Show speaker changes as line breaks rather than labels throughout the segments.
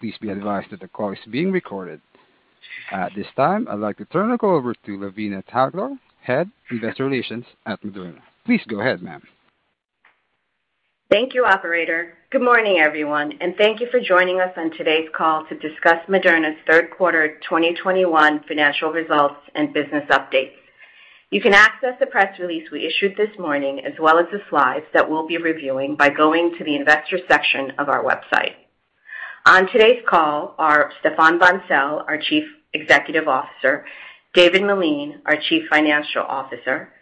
Please be advised that the call is being recorded. At this time, I'd like to turn the call over to Lavina Talukdar, Head of Investor Relations at Moderna. Please go ahead, ma'am.
Thank you, operator. Good morning, everyone, and thank you for joining us on today's call to discuss Moderna's third quarter 2021 financial results and business updates. You can access the press release we issued this morning, as well as the slides that we'll be reviewing by going to the investor section of our website. On today's call are Stéphane Bancel, our Chief Executive Officer, David Meline, our Chief Financial Officer,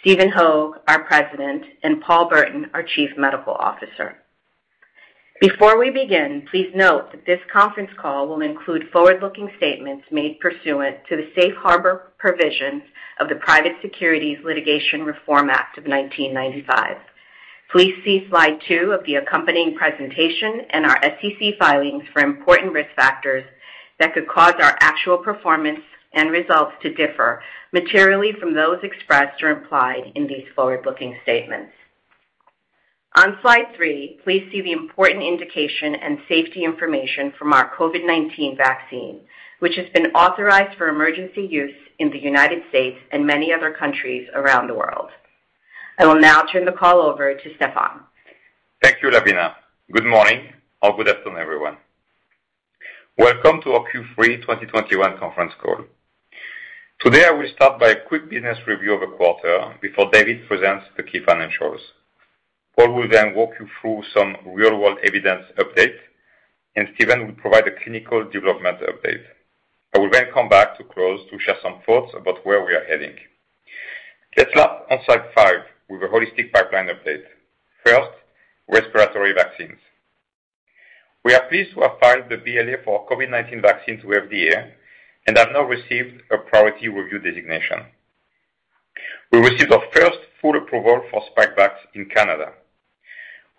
Stephen Hoge, our President, and Paul Burton, our Chief Medical Officer. Before we begin, please note that this conference call will include forward-looking statements made pursuant to the Safe Harbor Provisions of the Private Securities Litigation Reform Act of 1995. Please see slide two of the accompanying presentation and our SEC filings for important risk factors that could cause our actual performance and results to differ materially from those expressed or implied in these forward-looking statements. On slide three, please see the important indication and safety information from our COVID-19 vaccine, which has been authorized for emergency use in the United States and many other countries around the world. I will now turn the call over to Stéphane.
Thank you, Lavina. Good morning or good afternoon, everyone. Welcome to our Q3 2021 conference call. Today, I will start by a quick business review of the quarter before David presents the key financials. Paul will then walk you through some real-world evidence update, and Stephen will provide a clinical development update. I will then come back to close to share some thoughts about where we are heading. Let's start on slide five with a holistic pipeline update. First, respiratory vaccines. We are pleased to have filed the BLA for our COVID-19 vaccine to FDA and have now received a priority review designation. We received our first full approval for Spikevax in Canada.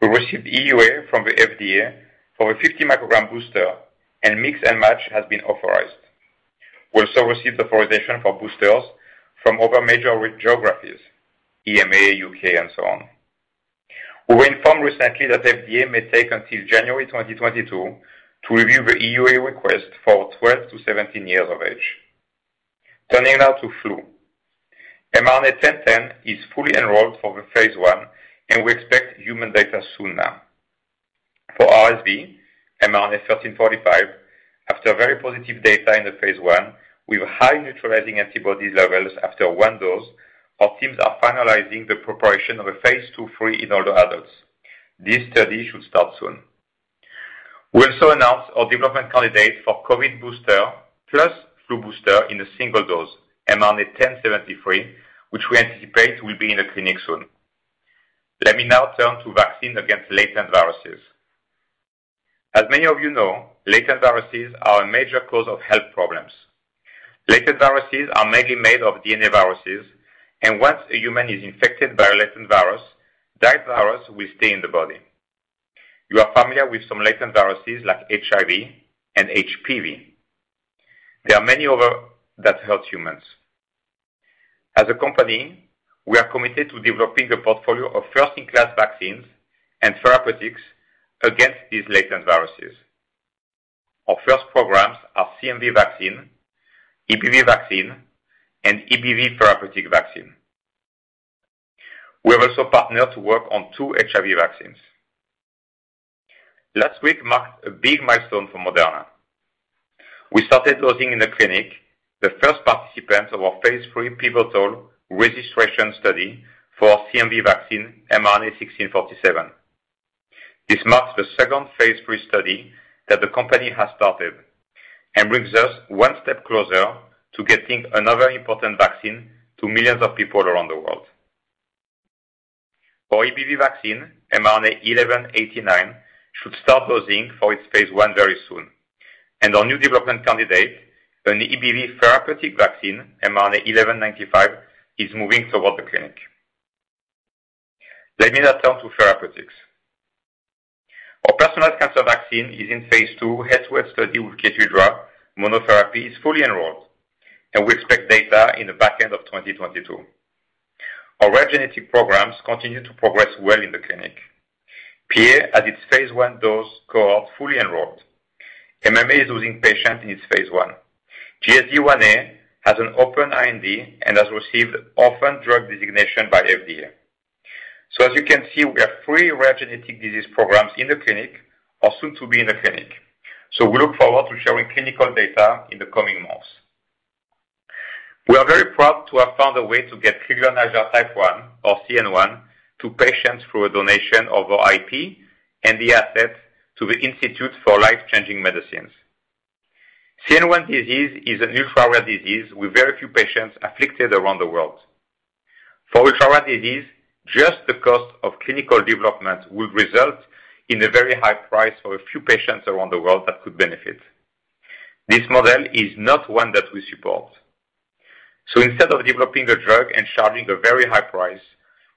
We received EUA from the FDA for a 50 microgram booster and mix and match has been authorized. We also received authorization for boosters from other major geographies, EMA, U.K. and so on. We were informed recently that FDA may take until January 2022 to review the EUA request for 12 to 17 years of age. Turning now to flu. mRNA-1010 is fully enrolled for the phase I, and we expect human data soon now. For RSV, mRNA-1345, after very positive data in the phase I with high neutralizing antibody levels after 1 dose, our teams are finalizing the preparation of a phase II/III in older adults. This study should start soon. We also announced our development candidate for COVID booster plus flu booster in a single dose, mRNA-1073, which we anticipate will be in the clinic soon. Let me now turn to vaccine against latent viruses. As many of you know, latent viruses are a major cause of health problems. Latent viruses are mainly made of DNA viruses, and once a human is infected by a latent virus, that virus will stay in the body. You are familiar with some latent viruses like HIV and HPV. There are many other that hurt humans. As a company, we are committed to developing a portfolio of first-in-class vaccines and therapeutics against these latent viruses. Our first programs are CMV vaccine, EBV vaccine, and EBV therapeutic vaccine. We have also partnered to work on two HIV vaccines. Last week marked a big milestone for Moderna. We started dosing in the clinic the first participants of our phase III pivotal registration study for our CMV vaccine, mRNA-1647. This marks the second phase III study that the company has started and brings us one step closer to getting another important vaccine to millions of people around the world. Our EBV vaccine, mRNA-1189, should start dosing for its phase I very soon, and our new development candidate, an EBV therapeutic vaccine, mRNA-1195, is moving toward the clinic. Let me now turn to therapeutics. Our personalized cancer vaccine is in phase II head-to-head study with KEYTRUDA. Monotherapy is fully enrolled, and we expect data in the back end of 2022. Our rare genetic programs continue to progress well in the clinic. PA has its phase I dose cohort fully enrolled. MMA is dosing patients in its phase I. GSD1a has an open IND and has received orphan drug designation by FDA. As you can see, we have three rare genetic disease programs in the clinic or soon to be in the clinic. We look forward to sharing clinical data in the coming months. We are very proud to have found a way to get Crigler-Najjar syndrome type 1 or CN-1 to patients through a donation of our IP and the asset to the Institute for Life Changing Medicines. CN-1 disease is an ultra-rare disease with very few patients afflicted around the world. For ultra-rare disease, just the cost of clinical development will result in a very high price for a few patients around the world that could benefit. This model is not one that we support. Instead of developing a drug and charging a very high price,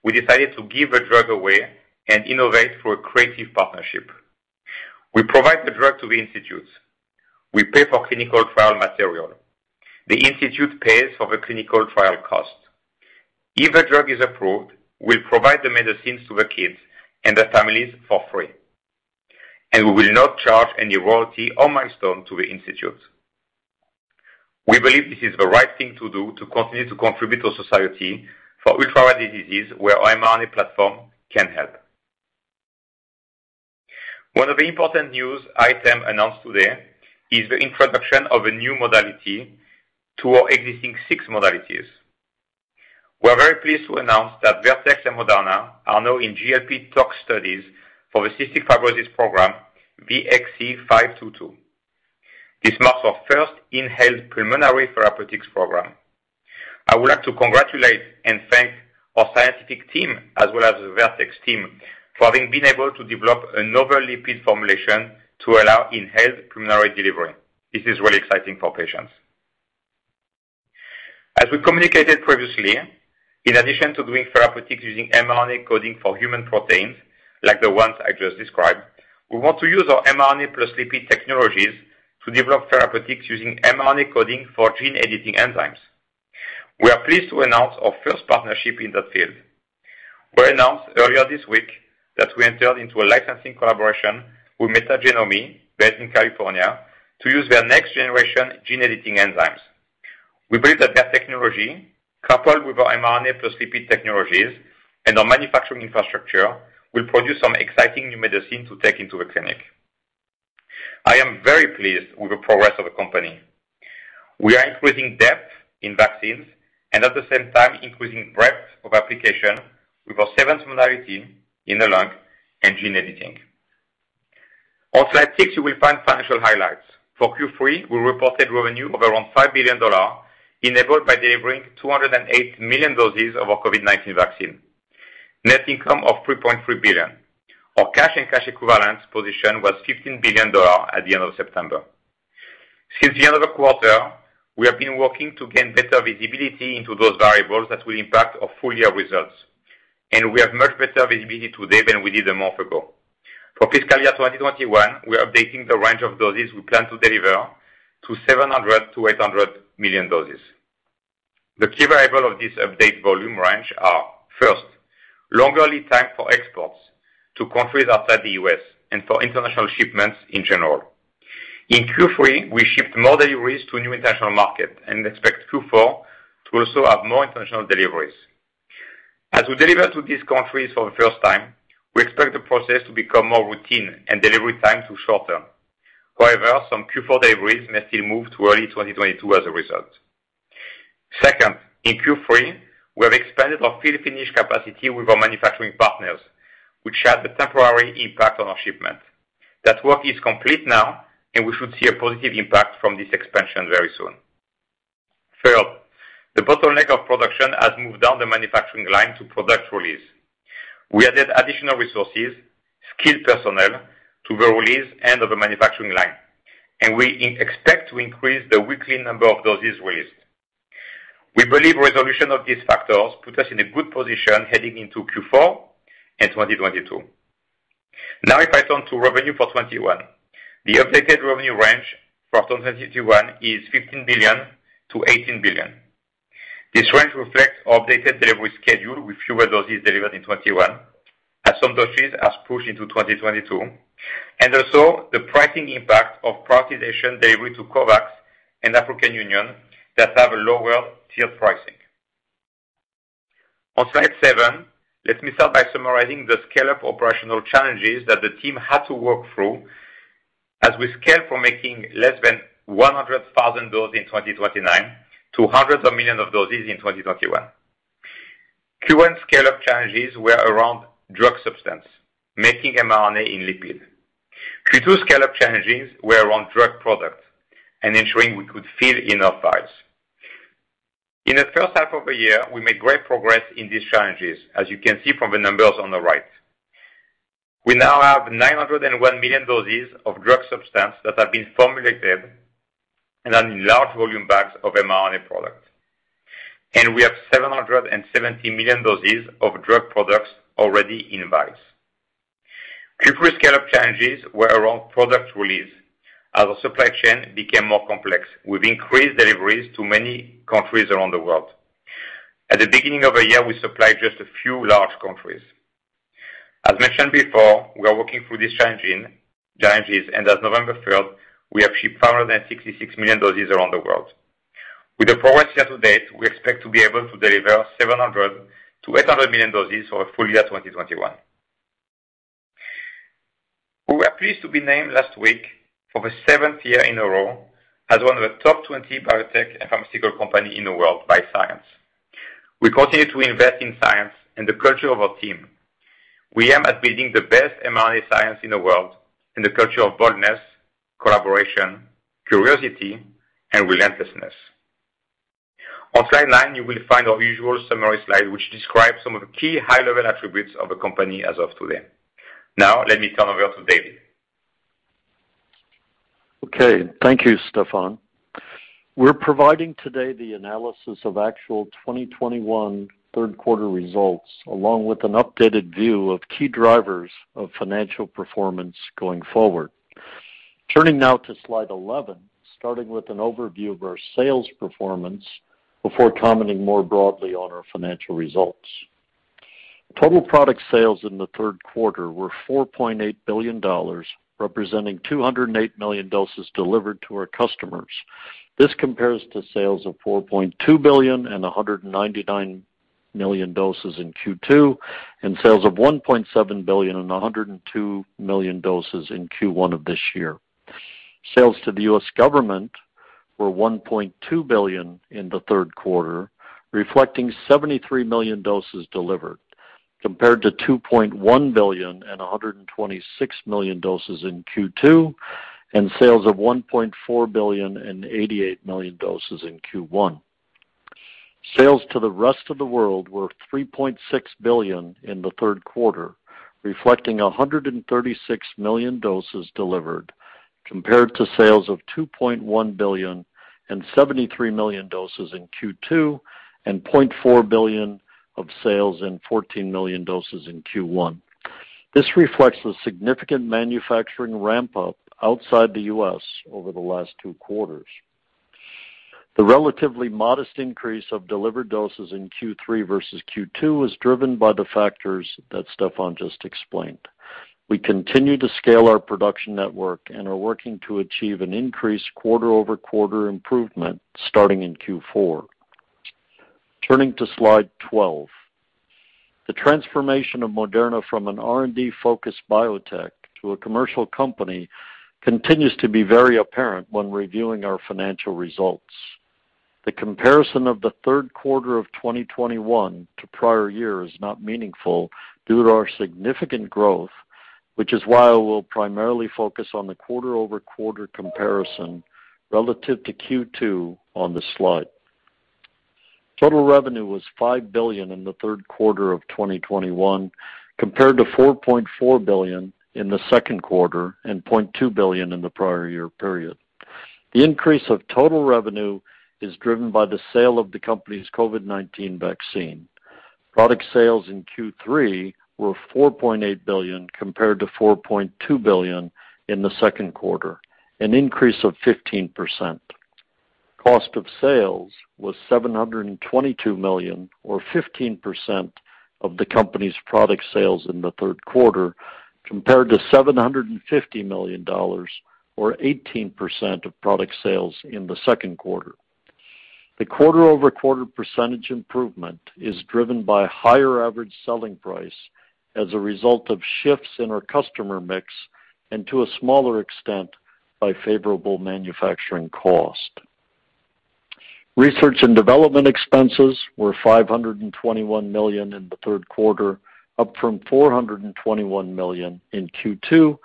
we decided to give a drug away and innovate through a creative partnership. We provide the drug to the Institute. We pay for clinical trial materials, the clinical trial cost. If a drug is approved, we'll provide the medicines to the kids and their families for free, and we will not charge any royalty or milestone to the institute. We believe this is the right thing to do to continue to contribute to society for ultra-rare diseases where mRNA platform can help. One of the important news item announced today is the introduction of a new modality to our existing six modalities. We are very pleased to announce that Vertex and Moderna are now in GLP tox studies for the cystic fibrosis program VX-522. This marks our first inhaled pulmonary therapeutics program. I would like to congratulate and thank our scientific team, as well as the Vertex team, for having been able to develop a novel lipid formulation to allow inhaled pulmonary delivery. This is really exciting for patients. As we communicated previously, in addition to doing therapeutics using mRNA coding for human proteins, like the ones I just described, we want to use our mRNA plus lipid technologies to develop therapeutics using mRNA coding for gene editing enzymes. We are pleased to announce our first partnership in that field. We announced earlier this week that we entered into a licensing collaboration with Metagenomi, based in California, to use their next generation gene editing enzymes. We believe that their technology, coupled with our mRNA plus lipid technologies and our manufacturing infrastructure, will produce some exciting new medicines to take into the clinic. I am very pleased with the progress of the company. We are increasing depth in vaccines and at the same time including breadth of application with our seventh modality in the lung and gene editing. On slide six, you will find financial highlights. For Q3, we reported revenue of around $5 billion, enabled by delivering 208 million doses of our COVID-19 vaccine. Net income of $3.3 billion. Our cash and cash equivalents position was $15 billion at the end of September. Since the end of the quarter, we have been working to gain better visibility into those variables that will impact our full year results, and we have much better visibility today than we did a month ago. For fiscal year 2021, we are updating the range of doses we plan to deliver to 700-800 million doses. The key variable of this update volume range are, first, longer lead time for exports to countries outside the U.S. and for international shipments in general. In Q3, we shipped more deliveries to a new international market and expect Q4 to also have more international deliveries. As we deliver to these countries for the first time, we expect the process to become more routine and delivery time to shorten. However, some Q4 deliveries may still move to early 2022 as a result. Second, in Q3, we have expanded our fill finish capacity with our manufacturing partners, which had the temporary impact on our shipment. That work is complete now, and we should see a positive impact from this expansion very soon. Third, the bottleneck of production has moved down the manufacturing line to product release. We added additional resources, skilled personnel to the release end of the manufacturing line, and we expect to increase the weekly number of doses released. We believe resolution of these factors put us in a good position heading into Q4 and 2022. Now if I turn to revenue for 2021. The updated revenue range for 2021 is $15 billion-$18 billion. This range reflects our updated delivery schedule with fewer doses delivered in 2021, as some doses has pushed into 2022, and also the pricing impact of prioritization delivery to COVAX and African Union that have a lower tier pricing. On slide seven, let me start by summarizing the scale of operational challenges that the team had to work through as we scale from making less than 100,000 doses in 2019 to hundreds of millions of doses in 2021. Q1 scale-up challenges were around drug substance, making mRNA and lipid. Q2 scale-up challenges were around drug product and ensuring we could fill enough vials. In the first half of the year, we made great progress in these challenges, as you can see from the numbers on the right. We now have 901 million doses of drug substance that have been formulated and are in large volume bags of mRNA product. We have 770 million doses of drug products already in vials. Q3 scale-up challenges were around product release as our supply chain became more complex. We've increased deliveries to many countries around the world. At the beginning of the year, we supplied just a few large countries. As mentioned before, we are working through these challenges, and as of November 3, we have shipped 566 million doses around the world. With the progress here to date, we expect to be able to deliver 700-800 million doses for our full year 2021. We were pleased to be named last week for the seventh year in a row as one of the top 20 biotech and pharmaceutical company in the world by Science. We continue to invest in science and the culture of our team. We aim at building the best mRNA science in the world in the culture of boldness, collaboration, curiosity, and relentlessness. On slide nine, you will find our usual summary slide, which describes some of the key high level attributes of the company as of today. Now let me turn over to David.
Okay. Thank you, Stéphane. We're providing today the analysis of actual 2021 third quarter results, along with an updated view of key drivers of financial performance going forward. Turning now to slide 11, starting with an overview of our sales performance before commenting more broadly on our financial results. Total product sales in the third quarter were $4.8 billion, representing 208 million doses delivered to our customers. This compares to sales of $4.2 billion and 199 million doses in Q2, and sales of $1.7 billion and 102 million doses in Q1 of this year. Sales to the U.S. government were $1.2 billion in the third quarter, reflecting 73 million doses delivered, compared to $2.1 billion and 126 million doses in Q2, and sales of $1.4 billion and 88 million doses in Q1. Sales to the rest of the world were $3.6 billion in the third quarter, reflecting 136 million doses delivered, compared to sales of $2.1 billion and 73 million doses in Q2, and $0.4 billion of sales and 14 million doses in Q1. This reflects the significant manufacturing ramp up outside the U.S. over the last two quarters. The relatively modest increase of delivered doses in Q3 versus Q2 was driven by the factors that Stéphane just explained. We continue to scale our production network and are working to achieve an increased quarter-over-quarter improvement starting in Q4. Turning to slide 12. The transformation of Moderna from an R&D focused biotech to a commercial company continues to be very apparent when reviewing our financial results. The comparison of the third quarter of 2021 to prior year is not meaningful due to our significant growth, which is why we'll primarily focus on the quarter-over-quarter comparison relative to Q2 on the slide. Total revenue was $5 billion in the third quarter of 2021, compared to $4.4 billion in the second quarter and $0.2 billion in the prior year period. The increase of total revenue is driven by the sale of the company's COVID-19 vaccine. Product sales in Q3 were $4.8 billion compared to $4.2 billion in the second quarter, an increase of 15%. Cost of sales was $722 million, or 15% of the company's product sales in the third quarter, compared to $750 million or 18% of product sales in the second quarter. The quarter-over-quarter percentage improvement is driven by higher average selling price as a result of shifts in our customer mix and to a smaller extent by favorable manufacturing cost. Research and development expenses were $521 million in the third quarter, up from $421 million in Q2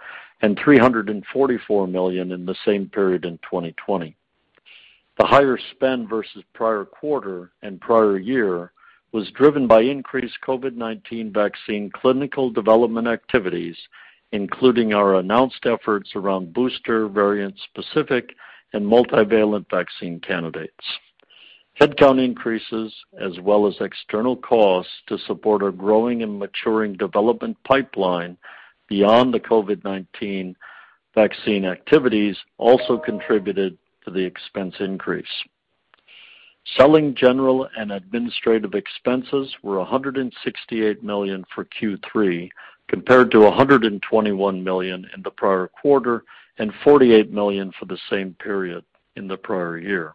and $344 million in the same period in 2020. The higher spend versus prior quarter and prior year was driven by increased COVID-19 vaccine clinical development activities, including our announced efforts around booster, variant-specific and multivalent vaccine candidates. Headcount increases as well as external costs to support our growing and maturing development pipeline beyond the COVID-19 vaccine activities also contributed to the expense increase. Selling, general and administrative expenses were $168 million for Q3, compared to $121 million in the prior quarter and $48 million for the same period in the prior year.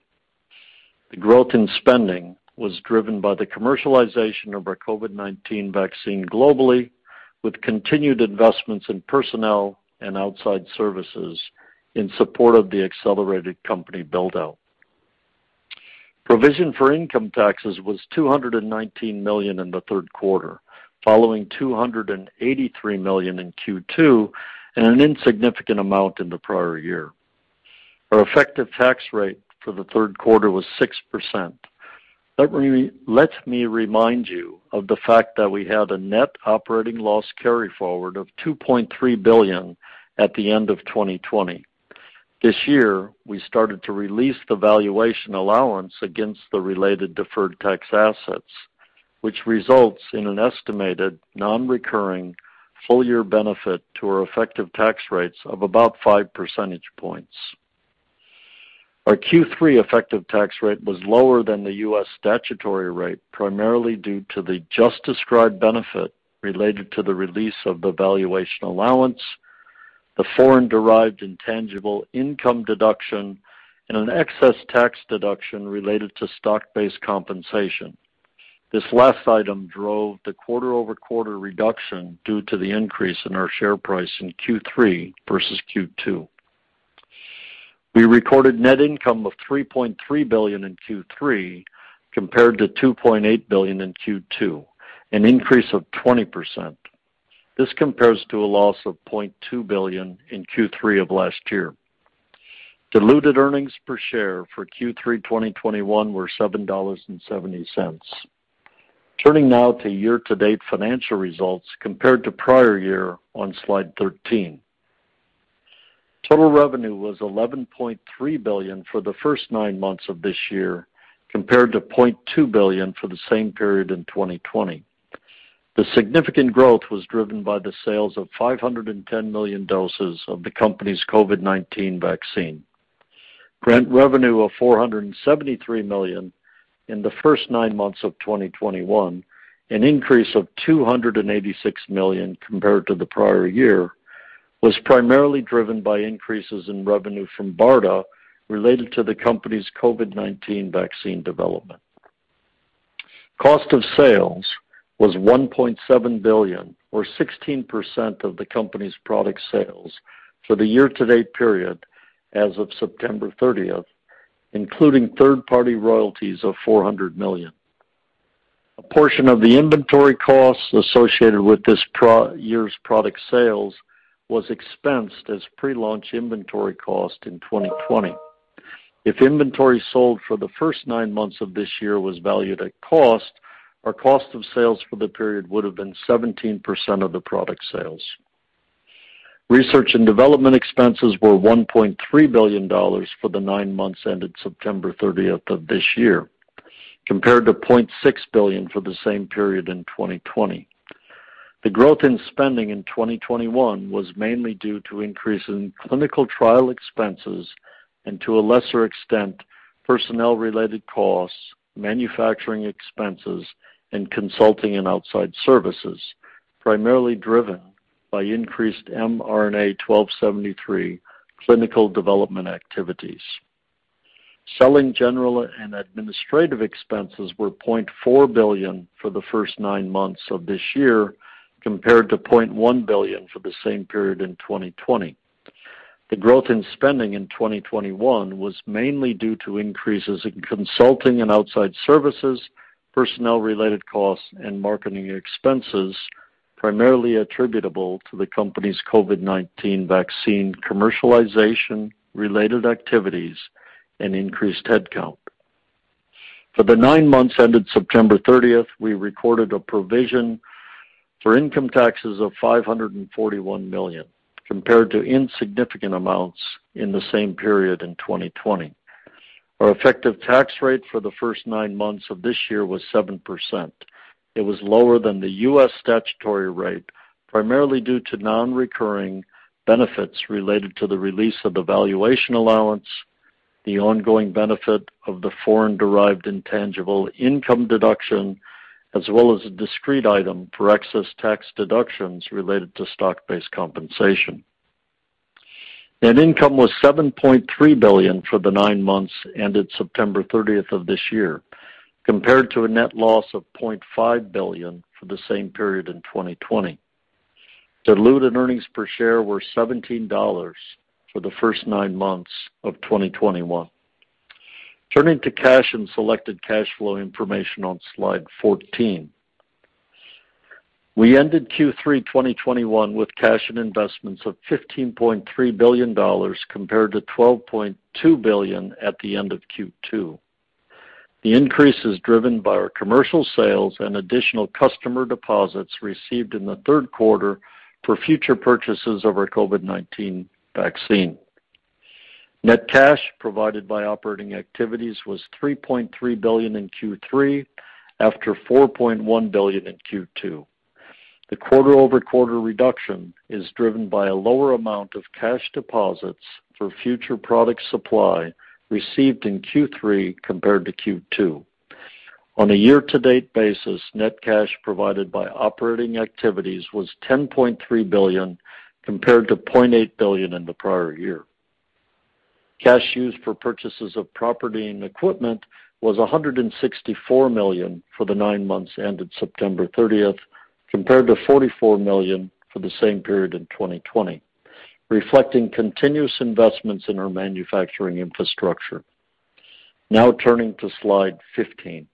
The growth in spending was driven by the commercialization of our COVID-19 vaccine globally, with continued investments in personnel and outside services in support of the accelerated company build-out. Provision for income taxes was $219 million in the third quarter, following $283 million in Q2 and an insignificant amount in the prior year. Our effective tax rate for the third quarter was 6%. Let me remind you of the fact that we had a net operating loss carry forward of $2.3 billion at the end of 2020. This year, we started to release the valuation allowance against the related deferred tax assets, which results in an estimated non-recurring full year benefit to our effective tax rates of about 5 percentage points. Our Q3 effective tax rate was lower than the U.S. statutory rate, primarily due to the just described benefit related to the release of the valuation allowance, the foreign derived intangible income deduction, and an excess tax deduction related to stock-based compensation. This last item drove the quarter-over-quarter reduction due to the increase in our share price in Q3 versus Q2. We recorded net income of $3.3 billion in Q3, compared to $2.8 billion in Q2, an increase of 20%. This compares to a loss of $0.2 billion in Q3 of last year. Diluted earnings per share for Q3 2021 were $7.70. Turning now to year-to-date financial results compared to prior year on slide 13. Total revenue was $11.3 billion for the first nine months of this year, compared to $0.2 billion for the same period in 2020. The significant growth was driven by the sales of 510 million doses of the company's COVID-19 vaccine. Grant revenue of $473 million in the first nine months of 2021, an increase of $286 million compared to the prior year, was primarily driven by increases in revenue from BARDA related to the company's COVID-19 vaccine development. Cost of sales was $1.7 billion or 16% of the company's product sales for the year to date period as of September 30, including third-party royalties of $400 million. A portion of the inventory costs associated with this prior year's product sales was expensed as pre-launch inventory cost in 2020. If inventory sold for the first nine months of this year was valued at cost, our cost of sales for the period would have been 17% of the product sales. Research and development expenses were $1.3 billion for the nine months ended September 30 of this year, compared to $0.6 billion for the same period in 2020. The growth in spending in 2021 was mainly due to increase in clinical trial expenses and to a lesser extent, personnel-related costs, manufacturing expenses, and consulting and outside services, primarily driven by increased mRNA-1273 clinical development activities. Selling general and administrative expenses were $0.4 billion for the first nine months of this year, compared to $0.1 billion for the same period in 2020. The growth in spending in 2021 was mainly due to increases in consulting and outside services, personnel-related costs, and marketing expenses, primarily attributable to the company's COVID-19 vaccine commercialization-related activities and increased headcount. For the nine months ended September 30, we recorded a provision for income taxes of $541 million, compared to insignificant amounts in the same period in 2020. Our effective tax rate for the first nine months of this year was 7%. It was lower than the U.S. statutory rate, primarily due to non-recurring benefits related to the release of the valuation allowance, the ongoing benefit of the foreign-derived intangible income deduction, as well as a discrete item for excess tax deductions related to stock-based compensation. Net income was $7.3 billion for the nine months ended September 30 of this year, compared to a net loss of $0.5 billion for the same period in 2020. Diluted earnings per share were $17 for the first nine months of 2021. Turning to cash and selected cash flow information on slide 14. We ended Q3 2021 with cash and investments of $15.3 billion compared to $12.2 billion at the end of Q2. The increase is driven by our commercial sales and additional customer deposits received in the third quarter for future purchases of our COVID-19 vaccine. Net cash provided by operating activities was $3.3 billion in Q3 after $4.1 billion in Q2. The quarter-over-quarter reduction is driven by a lower amount of cash deposits for future product supply received in Q3 compared to Q2. On a year-to-date basis, net cash provided by operating activities was $10.3 billion compared to $0.8 billion in the prior year. Cash used for purchases of property and equipment was $164 million for the nine months ended September 30, compared to $44 million for the same period in 2020, reflecting continuous investments in our manufacturing infrastructure. Now turning to slide 15.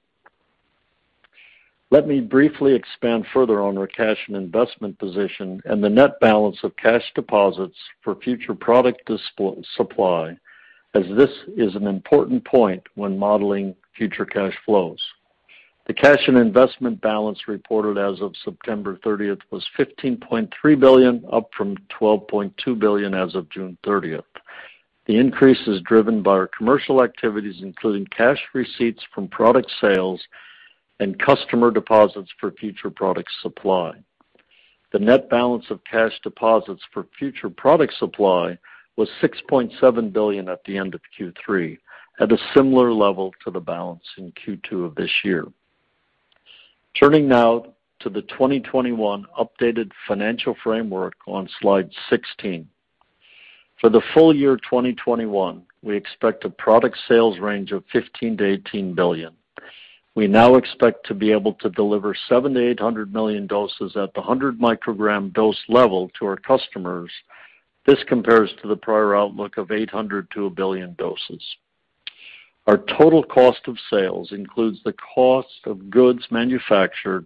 Let me briefly expand further on our cash and investment position and the net balance of cash deposits for future product supply, as this is an important point when modeling future cash flows. The cash and investment balance reported as of September 30 was $15.3 billion, up from $12.2 billion as of June 30. The increase is driven by our commercial activities, including cash receipts from product sales and customer deposits for future product supply. The net balance of cash deposits for future product supply was $6.7 billion at the end of Q3, at a similar level to the balance in Q2 of this year. Turning now to the 2021 updated financial framework on slide 16. For the full year 2021, we expect a product sales range of $15 billion-$18 billion. We now expect to be able to deliver 700 million-800 million doses at the 100 microgram dose level to our customers. This compares to the prior outlook of 800 million-1 billion doses. Our total cost of sales includes the cost of goods manufactured,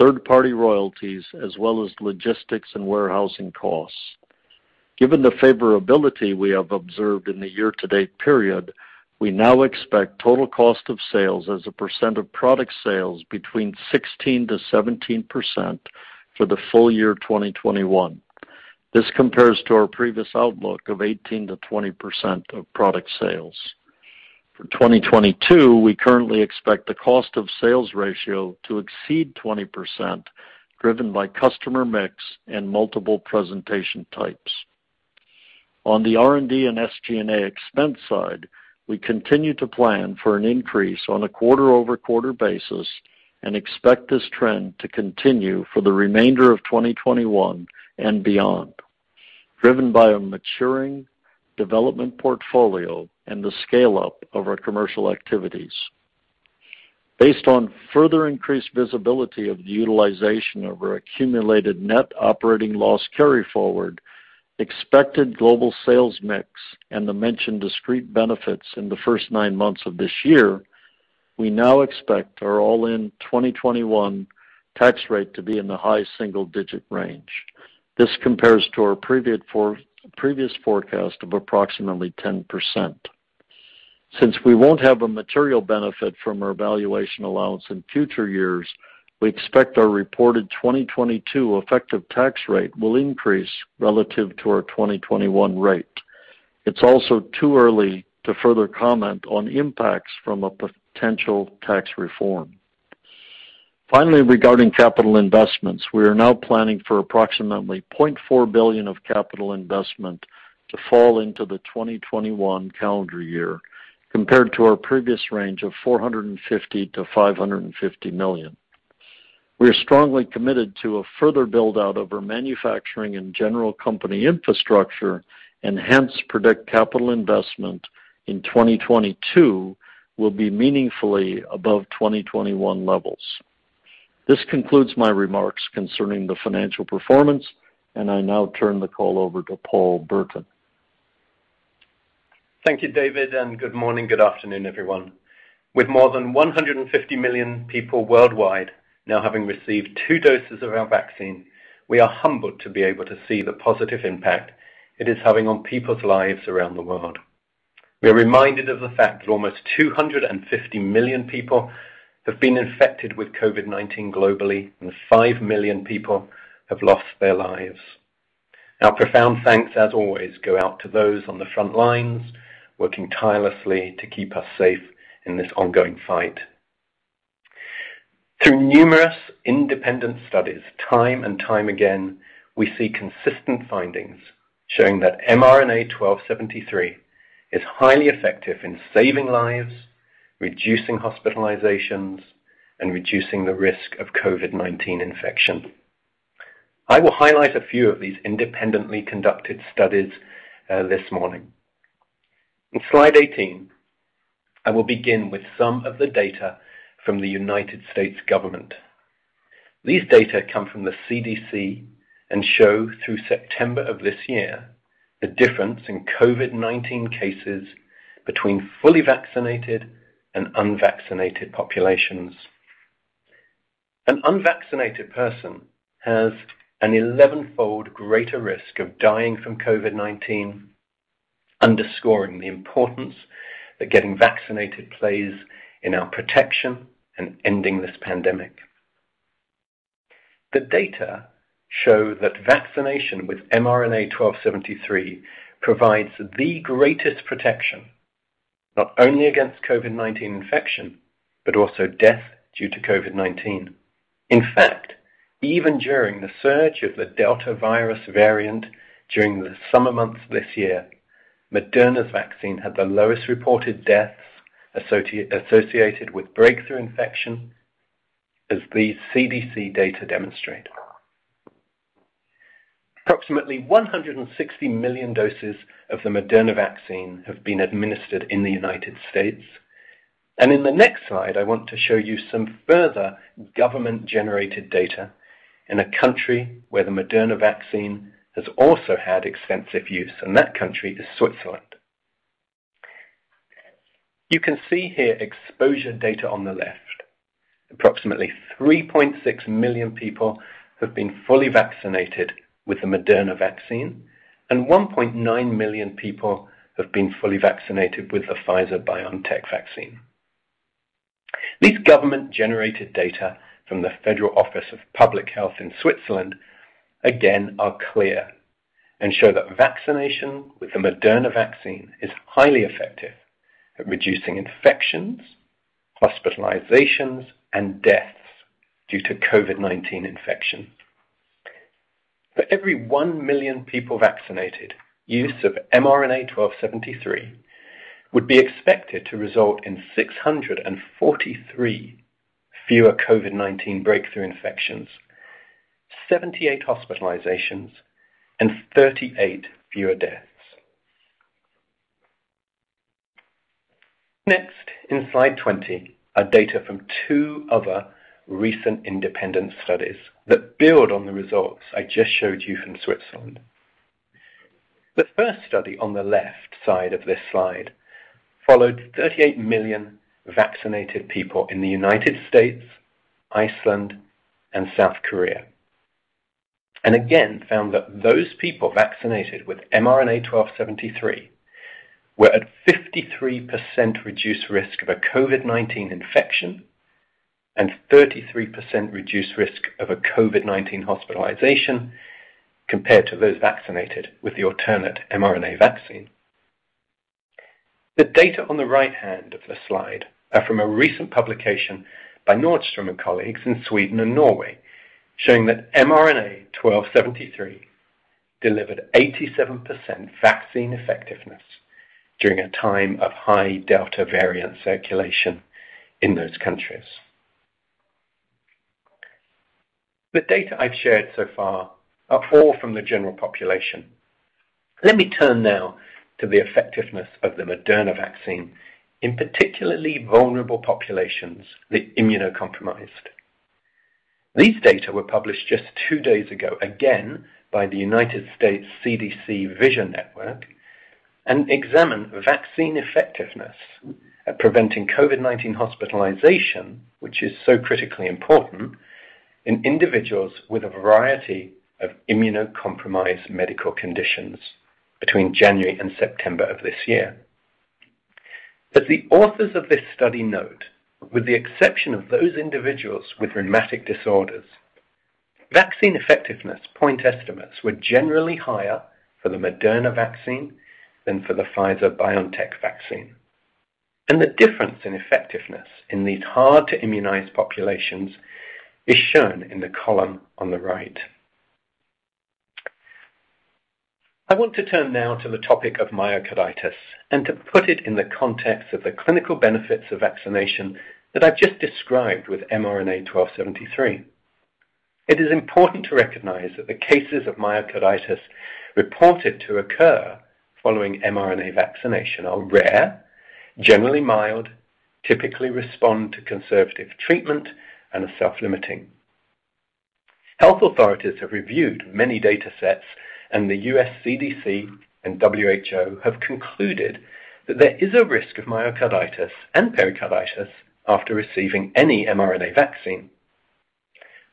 third-party royalties, as well as logistics and warehousing costs. Given the favorability we have observed in the year-to-date period, we now expect total cost of sales as a percent of product sales between 16%-17% for the full year 2021. This compares to our previous outlook of 18%-20% of product sales. For 2022, we currently expect the cost of sales ratio to exceed 20%, driven by customer mix and multiple presentation types. On the R&D and SG&A expense side, we continue to plan for an increase on a quarter-over-quarter basis and expect this trend to continue for the remainder of 2021 and beyond, driven by a maturing development portfolio and the scale-up of our commercial activities. Based on further increased visibility of the utilization of our accumulated net operating loss carry forward, expected global sales mix, and the mentioned discrete benefits in the first nine months of this year, we now expect our all in 2021 tax rate to be in the high single-digit range. This compares to our previous forecast of approximately 10%. Since we won't have a material benefit from our valuation allowance in future years, we expect our reported 2022 effective tax rate will increase relative to our 2021 rate. It's also too early to further comment on impacts from a potential tax reform. Finally, regarding capital investments, we are now planning for approximately $0.4 billion of capital investment to fall into the 2021 calendar year compared to our previous range of $450 million-$550 million. We are strongly committed to a further build-out of our manufacturing and general company infrastructure, and hence predict capital investment in 2022 will be meaningfully above 2021 levels. This concludes my remarks concerning the financial performance, and I now turn the call over to Paul Burton.
Thank you, David, and good morning, good afternoon, everyone. With more than 150 million people worldwide now having received two doses of our vaccine, we are humbled to be able to see the positive impact it is having on people's lives around the world. We are reminded of the fact that almost 250 million people have been infected with COVID-19 globally, and 5 million people have lost their lives. Our profound thanks, as always, go out to those on the front lines working tirelessly to keep us safe in this ongoing fight. Through numerous independent studies, time and time again, we see consistent findings showing that mRNA-1273 is highly effective in saving lives, reducing hospitalizations, and reducing the risk of COVID-19 infection. I will highlight a few of these independently conducted studies this morning. In slide 18, I will begin with some of the data from the United States government. These data come from the CDC and show, through September of this year, the difference in COVID-19 cases between fully vaccinated and unvaccinated populations. An unvaccinated person has an 11 fold greater risk of dying from COVID-19, underscoring the importance that getting vaccinated plays in our protection and ending this pandemic. The data show that vaccination with mRNA-1273 provides the greatest protection, not only against COVID-19 infection, but also death due to COVID-19. In fact, even during the surge of the Delta virus variant during the summer months this year, Moderna's vaccine had the lowest reported deaths associated with breakthrough infection, as these CDC data demonstrate. Approximately 160 million doses of the Moderna vaccine have been administered in the United States. In the next slide, I want to show you some further government-generated data in a country where the Moderna vaccine has also had extensive use, and that country is Switzerland. You can see here exposure data on the left. Approximately 3.6 million people have been fully vaccinated with the Moderna vaccine, and 1.9 million people have been fully vaccinated with the Pfizer-BioNTech vaccine. These government-generated data from the Federal Office of Public Health in Switzerland, again, are clear and show that vaccination with the Moderna vaccine is highly effective at reducing infections, hospitalizations, and deaths due to COVID-19 infection. For every 1 million people vaccinated, use of mRNA-1273 would be expected to result in 643 fewer COVID-19 breakthrough infections, 78 hospitalizations, and 38 fewer deaths. Next, in slide 20, are data from two other recent independent studies that build on the results I just showed you from Switzerland. The first study, on the left side of this slide, followed 38 million vaccinated people in the United States, Iceland, and South Korea, and again, found that those people vaccinated with mRNA-1273 were at 53% reduced risk of a COVID-19 infection and 33% reduced risk of a COVID-19 hospitalization compared to those vaccinated with the alternate mRNA vaccine. The data on the right hand of the slide are from a recent publication by Nordström and colleagues in Sweden and Norway, showing that mRNA-1273 delivered 87% vaccine effectiveness during a time of high Delta variant circulation in those countries. The data I've shared so far are all from the general population. Let me turn now to the effectiveness of the Moderna vaccine in particularly vulnerable populations, the immunocompromised. These data were published just two days ago, again by the U.S. CDC VISION Network, and examine vaccine effectiveness at preventing COVID-19 hospitalization, which is so critically important, in individuals with a variety of immunocompromised medical conditions between January and September of this year. As the authors of this study note, with the exception of those individuals with rheumatic disorders, vaccine effectiveness point estimates were generally higher for the Moderna vaccine than for the Pfizer-BioNTech vaccine, and the difference in effectiveness in these hard-to-immunize populations is shown in the column on the right. I want to turn now to the topic of myocarditis and to put it in the context of the clinical benefits of vaccination that I've just described with mRNA-1273. It is important to recognize that the cases of myocarditis reported to occur following mRNA vaccination are rare, generally mild, typically respond to conservative treatment, and are self-limiting. Health authorities have reviewed many data sets, and the U.S. CDC and WHO have concluded that there is a risk of myocarditis and pericarditis after receiving any mRNA vaccine.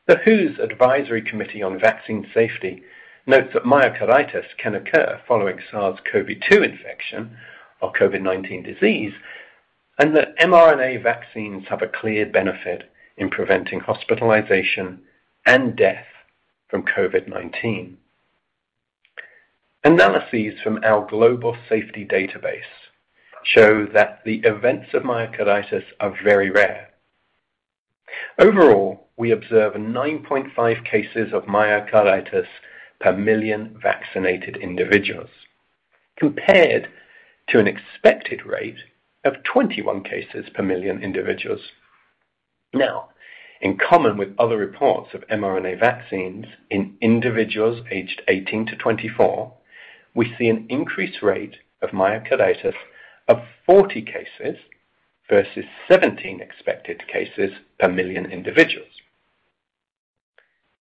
The WHO's Advisory Committee on Vaccine Safety notes that myocarditis can occur following SARS-CoV-2 infection or COVID-19 disease, and that mRNA vaccines have a clear benefit in preventing hospitalization and death from COVID-19. Analyses from our global safety database show that the events of myocarditis are very rare. Overall, we observe 9.5 cases of myocarditis per million vaccinated individuals, compared to an expected rate of 21 cases per million individuals. Now, in common with other reports of mRNA vaccines in individuals aged 18-24, we see an increased rate of myocarditis of 40 cases versus 17 expected cases per million individuals.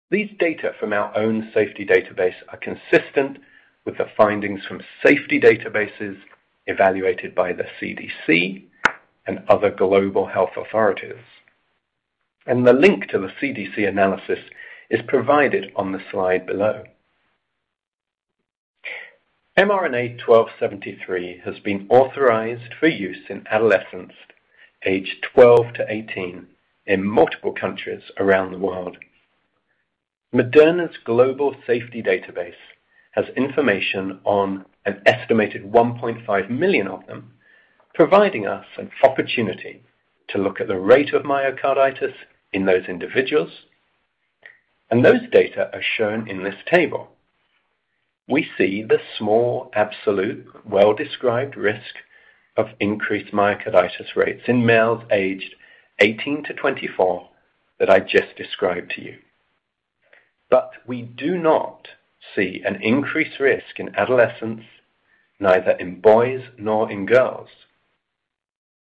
These data from our own safety database are consistent with the findings from safety databases evaluated by the CDC and other global health authorities. The link to the CDC analysis is provided on the slide below. mRNA-1273 has been authorized for use in adolescents aged 12-18 in multiple countries around the world. Moderna's global safety database has information on an estimated 1.5 million of them, providing us an opportunity to look at the rate of myocarditis in those individuals, and those data are shown in this table. We see the small, absolute, well-described risk of increased myocarditis rates in males aged 18-24 that I just described to you. We do not see an increased risk in adolescents, neither in boys nor in girls.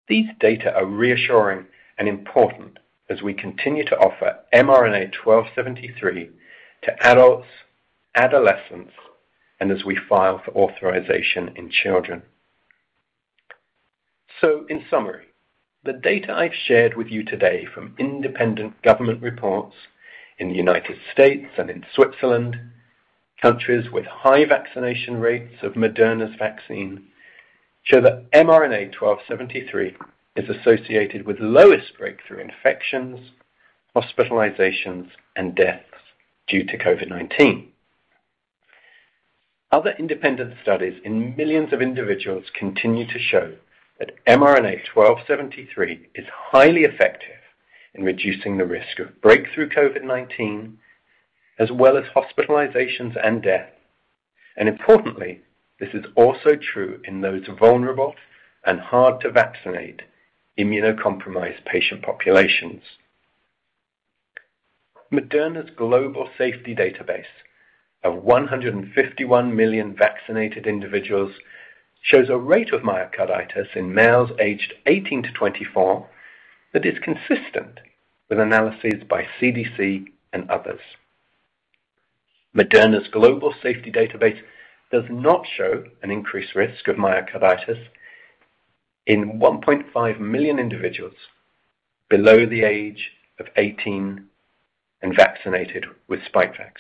These data are reassuring and important as we continue to offer mRNA-1273 to adults, adolescents, and as we file for authorization in children. In summary, the data I've shared with you today from independent government reports in the United States and in Switzerland, countries with high vaccination rates of Moderna's vaccine, show that mRNA-1273 is associated with lowest breakthrough infections, hospitalizations, and deaths due to COVID-19. Other independent studies in millions of individuals continue to show that mRNA-1273 is highly effective in reducing the risk of breakthrough COVID-19, as well as hospitalizations and death. Importantly, this is also true in those vulnerable and hard-to-vaccinate immunocompromised patient populations. Moderna's global safety database of 151 million vaccinated individuals shows a rate of myocarditis in males aged 18-24 that is consistent with analyses by CDC and others. Moderna's global safety database does not show an increased risk of myocarditis in 1.5 million individuals below the age of 18 and vaccinated with Spikevax.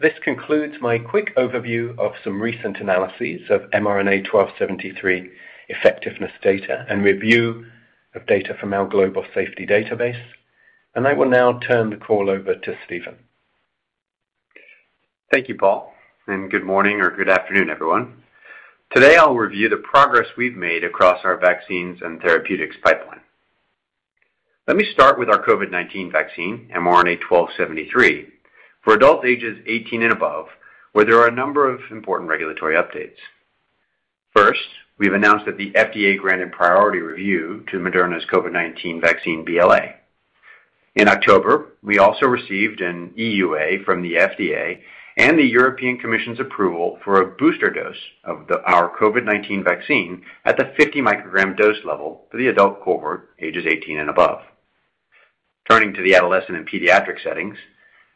This concludes my quick overview of some recent analyses of mRNA-1273 effectiveness data and review of data from our global safety database. I will now turn the call over to Stephen.
Thank you, Paul, and good morning or good afternoon, everyone. Today I'll review the progress we've made across our vaccines and therapeutics pipeline. Let me start with our COVID-19 vaccine, mRNA-1273, for adult ages 18 and above, where there are a number of important regulatory updates. First, we've announced that the FDA granted priority review to Moderna's COVID-19 vaccine BLA. In October, we also received an EUA from the FDA and the European Commission's approval for a booster dose of our COVID-19 vaccine at the 50 microgram dose level for the adult cohort ages 18 and above. Turning to the adolescent and pediatric settings,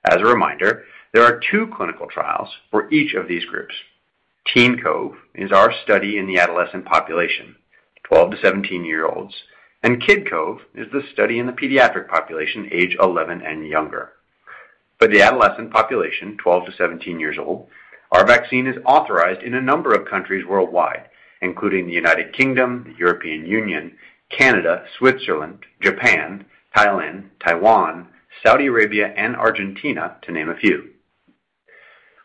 as a reminder, there are two clinical trials for each of these groups. TeenCOVE is our study in the adolescent population, 12 to 17 year olds, and KidCOVE is the study in the pediatric population, age 11 and younger. For the adolescent population, 12 to 17 years old, our vaccine is authorized in a number of countries worldwide, including the United Kingdom, European Union, Canada, Switzerland, Japan, Thailand, Taiwan, Saudi Arabia, and Argentina, to name a few.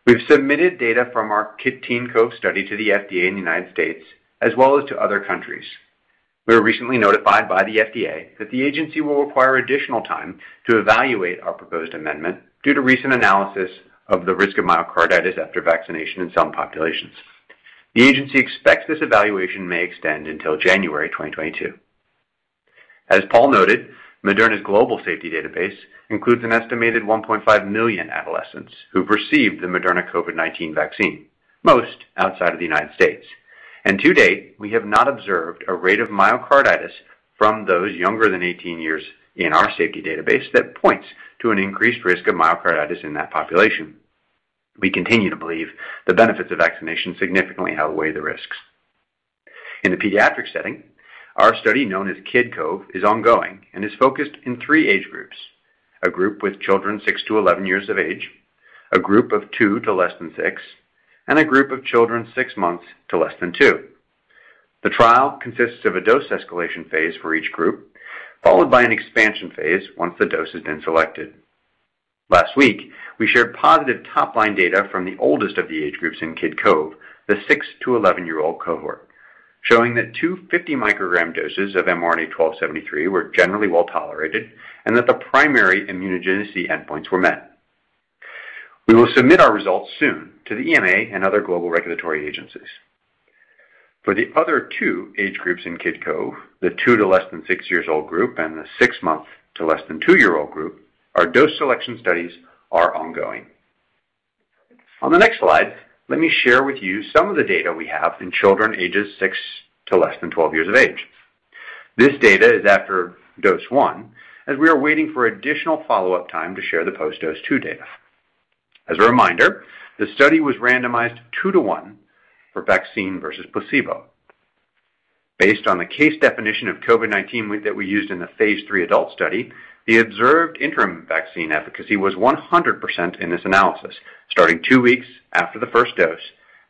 We've submitted data from our KidCOVE/TeenCOVE study to the FDA in the United States, as well as to other countries. We were recently notified by the FDA that the agency will require additional time to evaluate our proposed amendment due to recent analysis of the risk of myocarditis after vaccination in some populations. The agency expects this evaluation may extend until January 2022. As Paul noted, Moderna's global safety database includes an estimated 1.5 million adolescents who've received the Moderna COVID-19 vaccine, most outside of the United States. To date, we have not observed a rate of myocarditis from those younger than 18 years in our safety database that points to an increased risk of myocarditis in that population. We continue to believe the benefits of vaccination significantly outweigh the risks. In the pediatric setting, our study known as KidCOVE is ongoing and is focused in three age groups: a group with children six to 11 years of age, a group of two to less than six, and a group of children six months to less than two. The trial consists of a dose escalation phase for each group, followed by an expansion phase once the dose has been selected. Last week, we shared positive top line data from the oldest of the age groups in KidCOVE, the six to 11 year-old cohort, showing that two 50 microgram doses of mRNA-1273 were generally well-tolerated and that the primary immunogenicity endpoints were met. We will submit our results soon to the EMA and other global regulatory agencies. For the other two age groups in KidCOVE, the two to less than six years old group and the six month to less than 2-year-old group, our dose selection studies are ongoing. On the next slide, let me share with you some of the data we have in children ages six to less than 12 years of age. This data is after dose 1, as we are waiting for additional follow-up time to share the post-dose 2 data. As a reminder, the study was randomized two to one for vaccine versus placebo. Based on the case definition of COVID-19 that we used in the phase III adult study, the observed interim vaccine efficacy was 100% in this analysis, starting two weeks after the first dose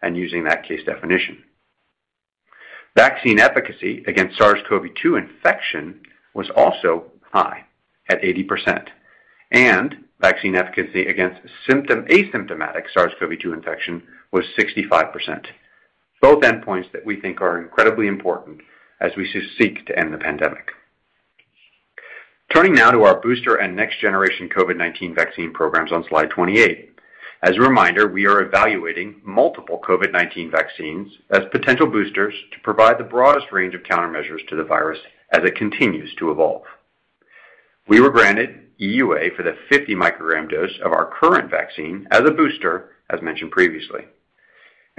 and using that case definition. Vaccine efficacy against SARS-CoV-2 infection was also high, at 80%, and vaccine efficacy against asymptomatic SARS-CoV-2 infection was 65%. Both endpoints that we think are incredibly important as we seek to end the pandemic. Turning now to our booster and next-generation COVID-19 vaccine programs on slide 28. As a reminder, we are evaluating multiple COVID-19 vaccines as potential boosters to provide the broadest range of countermeasures to the virus as it continues to evolve. We were granted EUA for the 50 microgram dose of our current vaccine as a booster, as mentioned previously.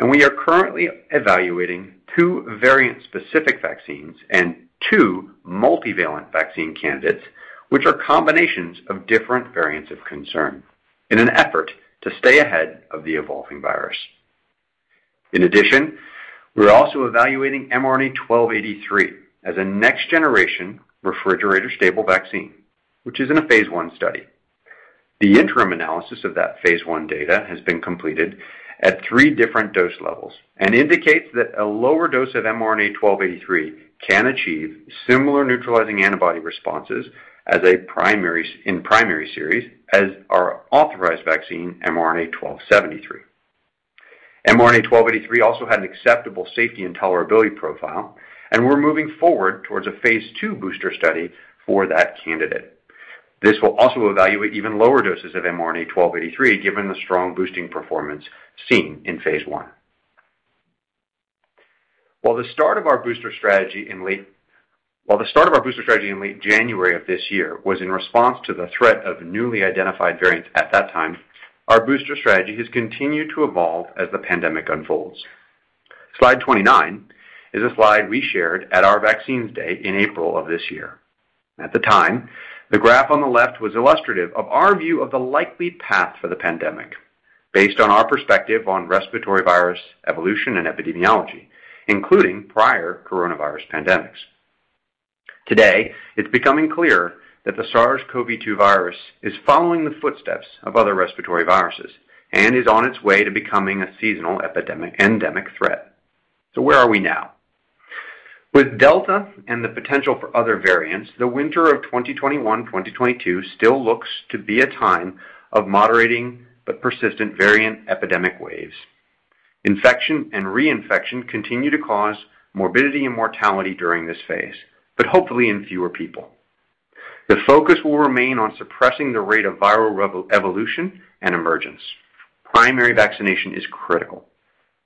We are currently evaluating two variant-specific vaccines and two multivalent vaccine candidates, which are combinations of different variants of concern, in an effort to stay ahead of the evolving virus. In addition, we're also evaluating mRNA-1283 as a next-generation refrigerator-stable vaccine, which is in a phase I study. The interim analysis of that phase I data has been completed at three different dose levels and indicates that a lower dose of mRNA-1283 can achieve similar neutralizing antibody responses as a primary series as our authorized vaccine, mRNA-1273. mRNA-1283 also had an acceptable safety and tolerability profile, and we're moving forward towards a phase II booster study for that candidate. This will also evaluate even lower doses of mRNA-1283, given the strong boosting performance seen in phase I. While the start of our booster strategy in late... While the start of our booster strategy in late January of this year was in response to the threat of newly identified variants at that time, our booster strategy has continued to evolve as the pandemic unfolds. Slide 29 is a slide we shared at our Vaccine Day in April of this year. At the time, the graph on the left was illustrative of our view of the likely path for the pandemic based on our perspective on respiratory virus evolution and epidemiology, including prior coronavirus pandemics. Today, it's becoming clear that the SARS-CoV-2 virus is following the footsteps of other respiratory viruses, and is on its way to becoming a seasonal epidemic-endemic threat. Where are we now? With Delta and the potential for other variants, the winter of 2021, 2022 still looks to be a time of moderating but persistent variant epidemic waves. Infection and reinfection continue to cause morbidity and mortality during this phase, but hopefully in fewer people. The focus will remain on suppressing the rate of viral evolution and emergence. Primary vaccination is critical,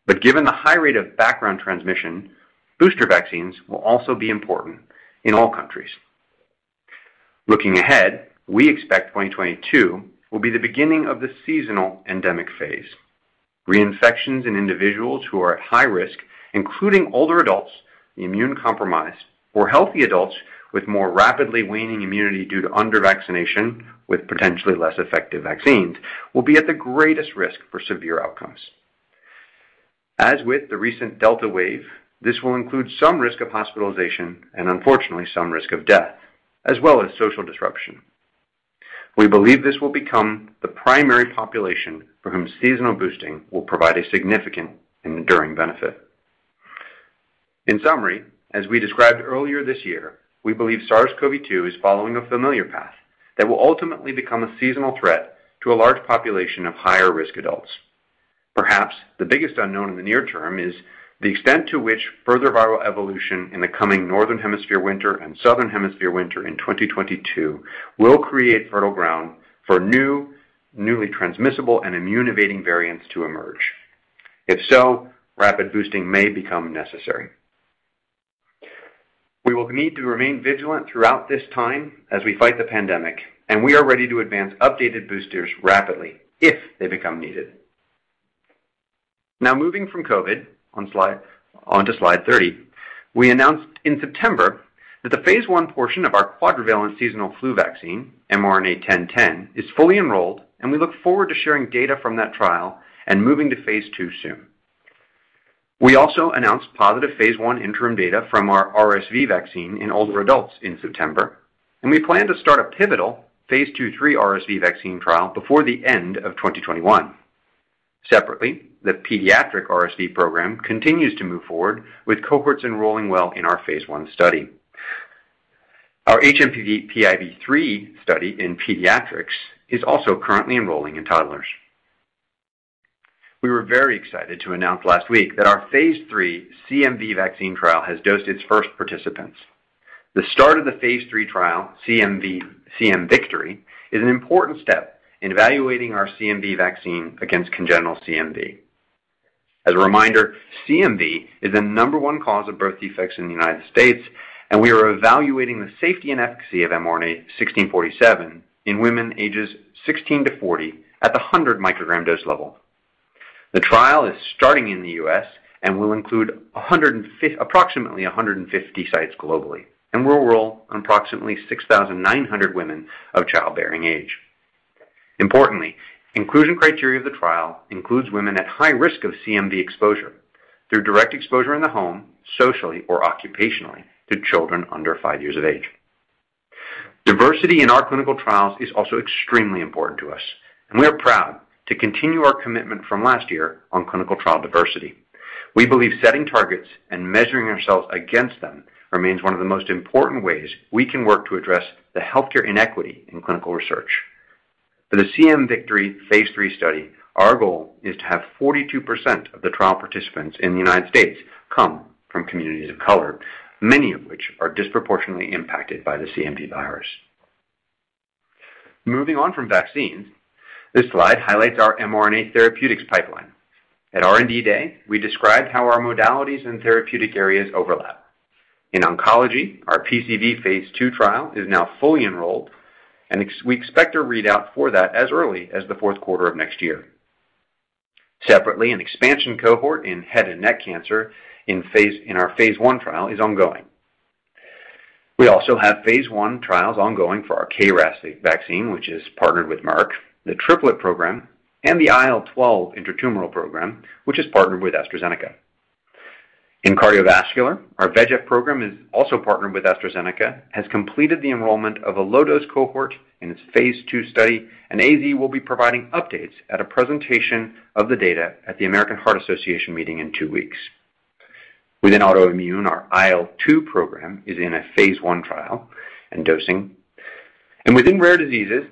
but given the high rate of background transmission, booster vaccines will also be important in all countries. Looking ahead, we expect 2022 will be the beginning of the seasonal endemic phase. Reinfections in individuals who are at high risk, including older adults, immune-compromised, or healthy adults with more rapidly waning immunity due to under-vaccination with potentially less effective vaccines, will be at the greatest risk for severe outcomes. As with the recent Delta wave, this will include some risk of hospitalization and unfortunately some risk of death, as well as social disruption. We believe this will become the primary population for whom seasonal boosting will provide a significant enduring benefit. In summary, as we described earlier this year, we believe SARS-CoV-2 is following a familiar path that will ultimately become a seasonal threat to a large population of higher risk adults. Perhaps the biggest unknown in the near term is the extent to which further viral evolution in the coming Northern Hemisphere winter and Southern Hemisphere winter in 2022 will create fertile ground for new, newly transmissible and immune-evading variants to emerge. If so, rapid boosting may become necessary. We will need to remain vigilant throughout this time as we fight the pandemic, and we are ready to advance updated boosters rapidly if they become needed. Now, moving from COVID on slide, onto slide 30. We announced in September that the phase I portion of our quadrivalent seasonal flu vaccine, mRNA-1010, is fully enrolled, and we look forward to sharing data from that trial and moving to phase II soon. We also announced positive phase I interim data from our RSV vaccine in older adults in September, and we plan to start a pivotal phase II/III RSV vaccine trial before the end of 2021. Separately, the pediatric RSV program continues to move forward with cohorts enrolling well in our phase I study. Our hMPV/PIV3 study in pediatrics is also currently enrolling in toddlers. We were very excited to announce last week that our phase III CMV vaccine trial has dosed its first participants. The start of the phase III trial, CMVictory, is an important step in evaluating our CMV vaccine against congenital CMV. As a reminder, CMV is the number one cause of birth defects in the United States, and we are evaluating the safety and efficacy of mRNA-1647 in women ages 16 to 40 at the 100 microgram dose level. The trial is starting in the U.S. and will include approximately 150 sites globally, and will enroll approximately 6,900 women of childbearing age. Importantly, inclusion criteria of the trial includes women at high risk of CMV exposure through direct exposure in the home, socially or occupationally to children under five years of age. Diversity in our clinical trials is also extremely important to us, and we are proud to continue our commitment from last year on clinical trial diversity. We believe setting targets and measuring ourselves against them remains one of the most important ways we can work to address the healthcare inequity in clinical research. For the CMVictory phase III study, our goal is to have 42% of the trial participants in the United States come from communities of color, many of which are disproportionately impacted by the CMV virus. Moving on from vaccines, this slide highlights our mRNA therapeutics pipeline. At R&D Day, we described how our modalities and therapeutic areas overlap. In oncology, our PCV phase II trial is now fully enrolled, and we expect a readout for that as early as the fourth quarter of next year. Separately, an expansion cohort in head and neck cancer in our phase I trial is ongoing. We also have phase I trials ongoing for our KRAS vaccine, which is partnered with Merck, the triplet program, and the IL-12 intratumoral program, which is partnered with AstraZeneca. In cardiovascular, our VEGF program is also partnered with AstraZeneca, has completed the enrollment of a low dose cohort in its phase II study, and AZ will be providing updates at a presentation of the data at the American Heart Association meeting in two weeks. Within autoimmune, our IL-2 program is in a phase I trial and dosing. Within rare diseases,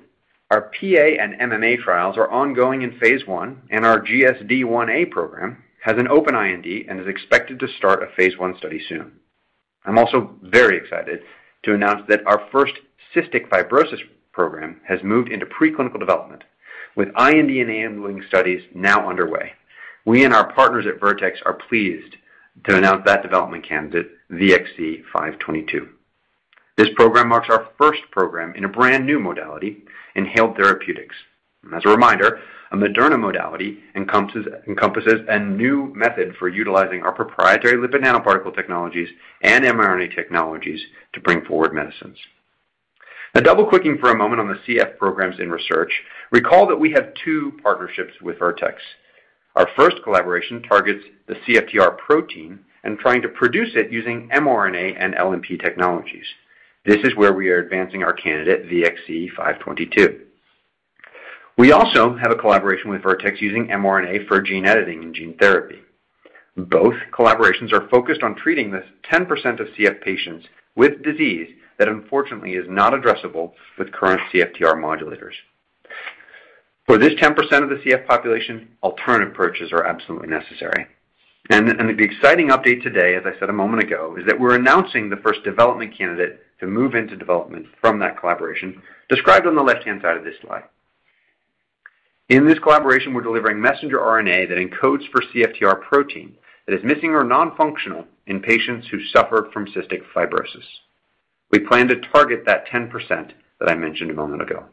our PA and MMA trials are ongoing in phase I, and our GSD1a program has an open IND and is expected to start a phase I study soon. I'm also very excited to announce that our first cystic fibrosis program has moved into preclinical development with IND-enabling studies now underway. We and our partners at Vertex are pleased to announce that development candidate VX-522. This program marks our first program in a brand-new modality, inhaled therapeutics. As a reminder, a Moderna modality encompasses a new method for utilizing our proprietary lipid nanoparticle technologies and mRNA technologies to bring forward medicines. Double-clicking for a moment on the CF programs in research, recall that we have two partnerships with Vertex. Our first collaboration targets the CFTR protein and trying to produce it using mRNA and LNP technologies. This is where we are advancing our candidate VX-522. We also have a collaboration with Vertex using mRNA for gene editing and gene therapy. Both collaborations are focused on treating the 10% of CF patients with disease that unfortunately is not addressable with current CFTR modulators. For this 10% of the CF population, alternative approaches are absolutely necessary. The exciting update today, as I said a moment ago, is that we're announcing the first development candidate to move into development from that collaboration described on the left-hand side of this slide. In this collaboration, we're delivering messenger RNA that encodes for CFTR protein that is missing or non-functional in patients who suffer from cystic fibrosis. We plan to target that 10% that I mentioned a moment ago.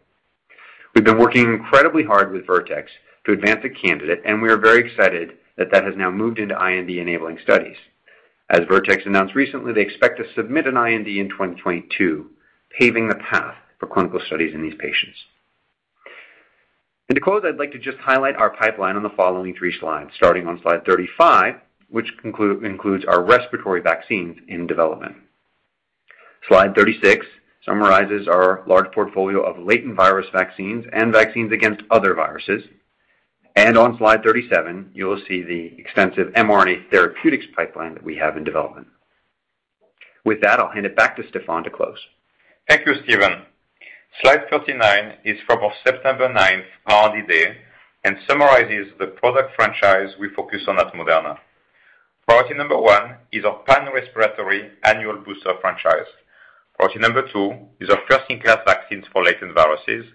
We've been working incredibly hard with Vertex to advance a candidate, and we are very excited that that has now moved into IND-enabling studies. As Vertex announced recently, they expect to submit an IND in 2022, paving the path for clinical studies in these patients. To close, I'd like to just highlight our pipeline on the following three slides, starting on slide 35, which includes our respiratory vaccines in development. Slide 36 summarizes our large portfolio of latent virus vaccines and vaccines against other viruses. On slide 37, you will see the extensive mRNA therapeutics pipeline that we have in development. With that, I'll hand it back to Stéphane to close.
Thank you, Stephen. Slide 39 is from our September ninth R&D Day and summarizes the product franchise we focus on at Moderna. Priority number 1 is our pan-respiratory annual booster franchise. Priority number 2 is our first-in-class vaccines for latent viruses.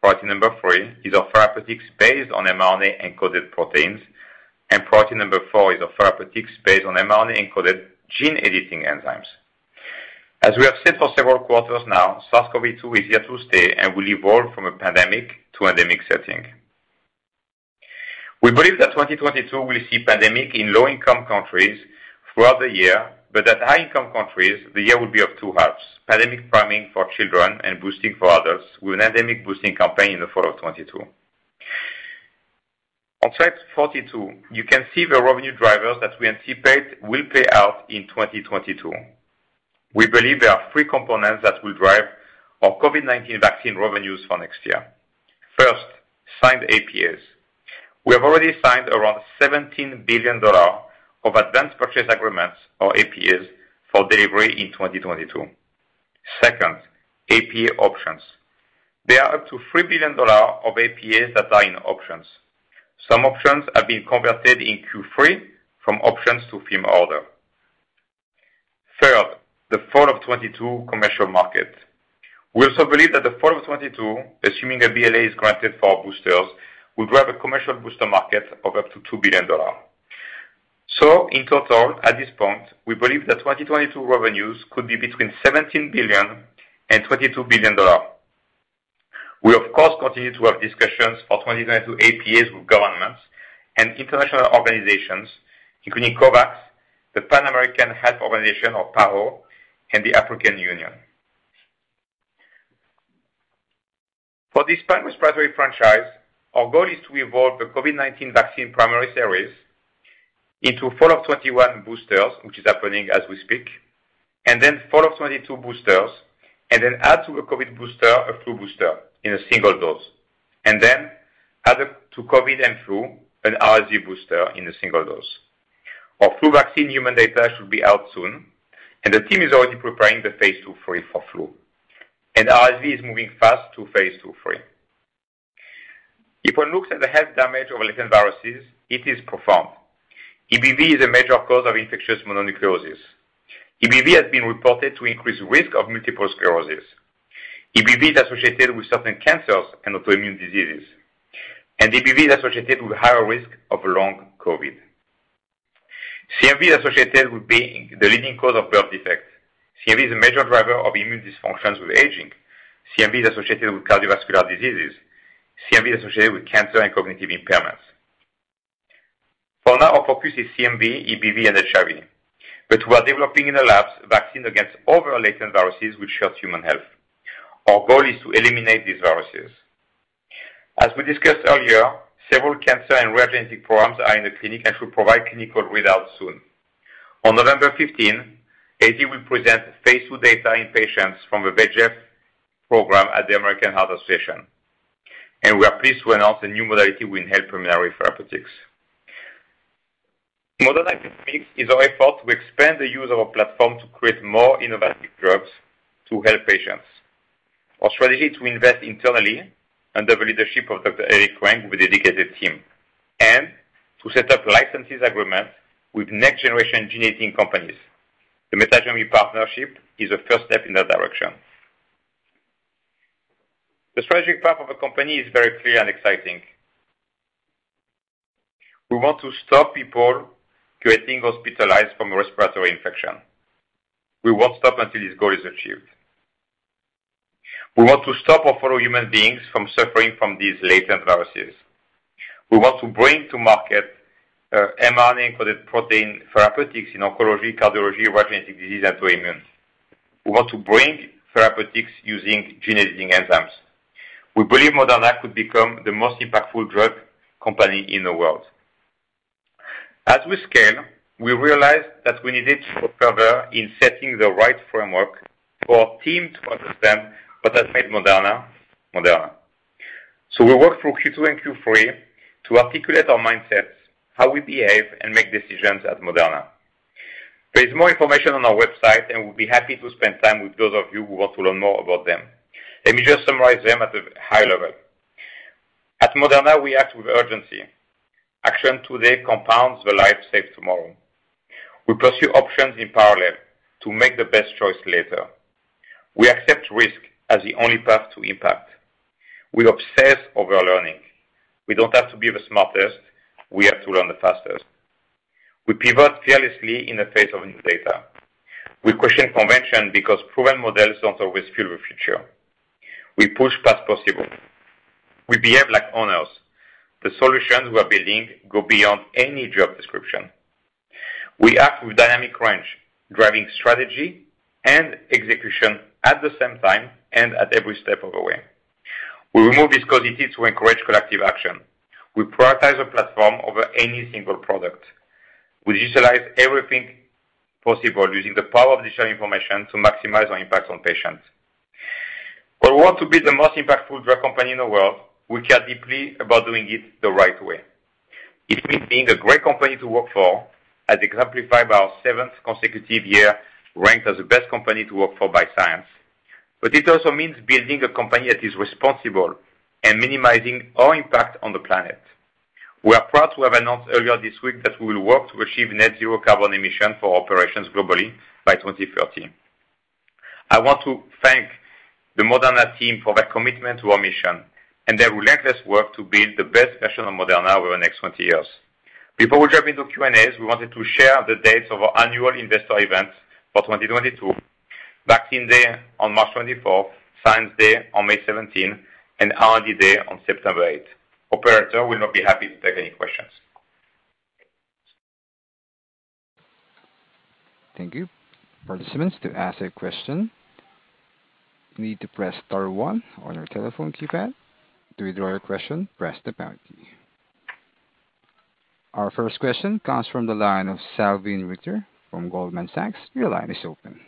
Priority number 3 is our therapeutics based on mRNA-encoded proteins. Priority number 4 is our therapeutics based on mRNA-encoded gene editing enzymes. As we have said for several quarters now, SARS-CoV-2 is here to stay and will evolve from a pandemic to endemic setting. We believe that 2022 will see pandemic in low-income countries throughout the year, but that high-income countries, the year will be of two halves, pandemic priming for children and boosting for adults, with an endemic boosting campaign in the fall of 2022. On slide 42, you can see the revenue drivers that we anticipate will play out in 2022. We believe there are three components that will drive our COVID-19 vaccine revenues for next year. First, signed APAs. We have already signed around $17 billion of advanced purchase agreements or APAs for delivery in 2022. Second, APA options. There are up to $3 billion of APAs that are in options. Some options have been converted in Q3 from options to firm order. Third, the fall of 2022 commercial market. We also believe that the fall of 2022, assuming a BLA is granted for our boosters, will drive a commercial booster market of up to $2 billion. In total, at this point, we believe that 2022 revenues could be between $17 billion and $22 billion. We of course continue to have discussions for 2022 APAs with governments and international organizations, including COVAX, the Pan American Health Organization of PAHO, and the African Union. For this pan-respiratory franchise, our goal is to evolve the COVID-19 vaccine primary series into fall of 2021 boosters, which is happening as we speak, and then fall of 2022 boosters, and then add to a COVID booster a flu booster in a single dose. Add up to COVID and flu an RSV booster in a single dose. Our flu vaccine human data should be out soon, and the team is already preparing the phase II/III for flu. RSV is moving fast to phase II/III. If one looks at the health damage of latent viruses, it is profound. EBV is a major cause of infectious mononucleosis. EBV has been reported to increase risk of multiple sclerosis. EBV is associated with certain cancers and autoimmune diseases. EBV is associated with higher risk of long COVID. CMV is associated with being the leading cause of birth defects. CMV is a major driver of immune dysfunctions with aging. CMV is associated with cardiovascular diseases. CMV is associated with cancer and cognitive impairments. For now, our focus is CMV, EBV, and HIV, but we are developing in the labs vaccine against all the latent viruses which hurt human health. Our goal is to eliminate these viruses. As we discussed earlier, several cancer and rare genetic programs are in the clinic and should provide clinical readouts soon. On November 15, AG will present phase II data in patients from the VEGF program at the American Heart Association. We are pleased to announce a new modality with help from Rare Therapeutics. Moderna Therapeutics is our effort to expand the use of our platform to create more innovative drugs to help patients. Our strategy to invest internally under the leadership of Dr. Eric Huang with a dedicated team and to set up license agreements with next-generation gene editing companies. The Metagenomi partnership is the first step in that direction. The strategic path of the company is very clear and exciting. We want to stop people getting hospitalized from respiratory infection. We won't stop until this goal is achieved. We want to stop our fellow human beings from suffering from these latent viruses. We want to bring to market mRNA-encoded protein therapeutics in oncology, cardiology, rare disease, and autoimmune. We want to bring therapeutics using gene-editing enzymes. We believe Moderna could become the most impactful drug company in the world. As we scale, we realized that we needed to go further in setting the right framework for our team to understand what has made Moderna. We work through Q2 and Q3 to articulate our mindsets, how we behave, and make decisions at Moderna. There is more information on our website, and we'll be happy to spend time with those of you who want to learn more about them. Let me just summarize them at a high level. At Moderna, we act with urgency. Action today compounds the lives saved tomorrow. We pursue options in parallel to make the best choice later. We accept risk as the only path to impact. We obsess over learning. We don't have to be the smartest. We have to learn the fastest. We pivot fearlessly in the face of new data. We question convention because proven models don't always fuel the future. We push past possible. We behave like owners. The solutions we are building go beyond any job description. We act with dynamic range, driving strategy and execution at the same time and at every step of the way. We remove viscosity to encourage collective action. We prioritize our platform over any single product. We digitalize everything possible using the power of digital information to maximize our impact on patients. While we want to be the most impactful drug company in the world, we care deeply about doing it the right way. It means being a great company to work for, as exemplified by our seventh consecutive year ranked as the best company to work for by Science. It also means building a company that is responsible and minimizing our impact on the planet. We are proud to have announced earlier this week that we will work to achieve net zero carbon emission for operations globally by 2030. I want to thank the Moderna team for their commitment to our mission and their relentless work to build the best version of Moderna over the next 20 years. Before we jump into Q&As, we wanted to share the dates of our annual investor event for 2022, Vaccine Day on March 24th, Science Day on May 17th, and R&D Day on September 8th. Operator, we'll now be happy to take any questions.
Thank you. Participants, to ask a question, you need to press star one on your telephone keypad. To withdraw your question, press the pound key. Our first question comes from the line of Salveen Richter from Goldman Sachs. Your line is open.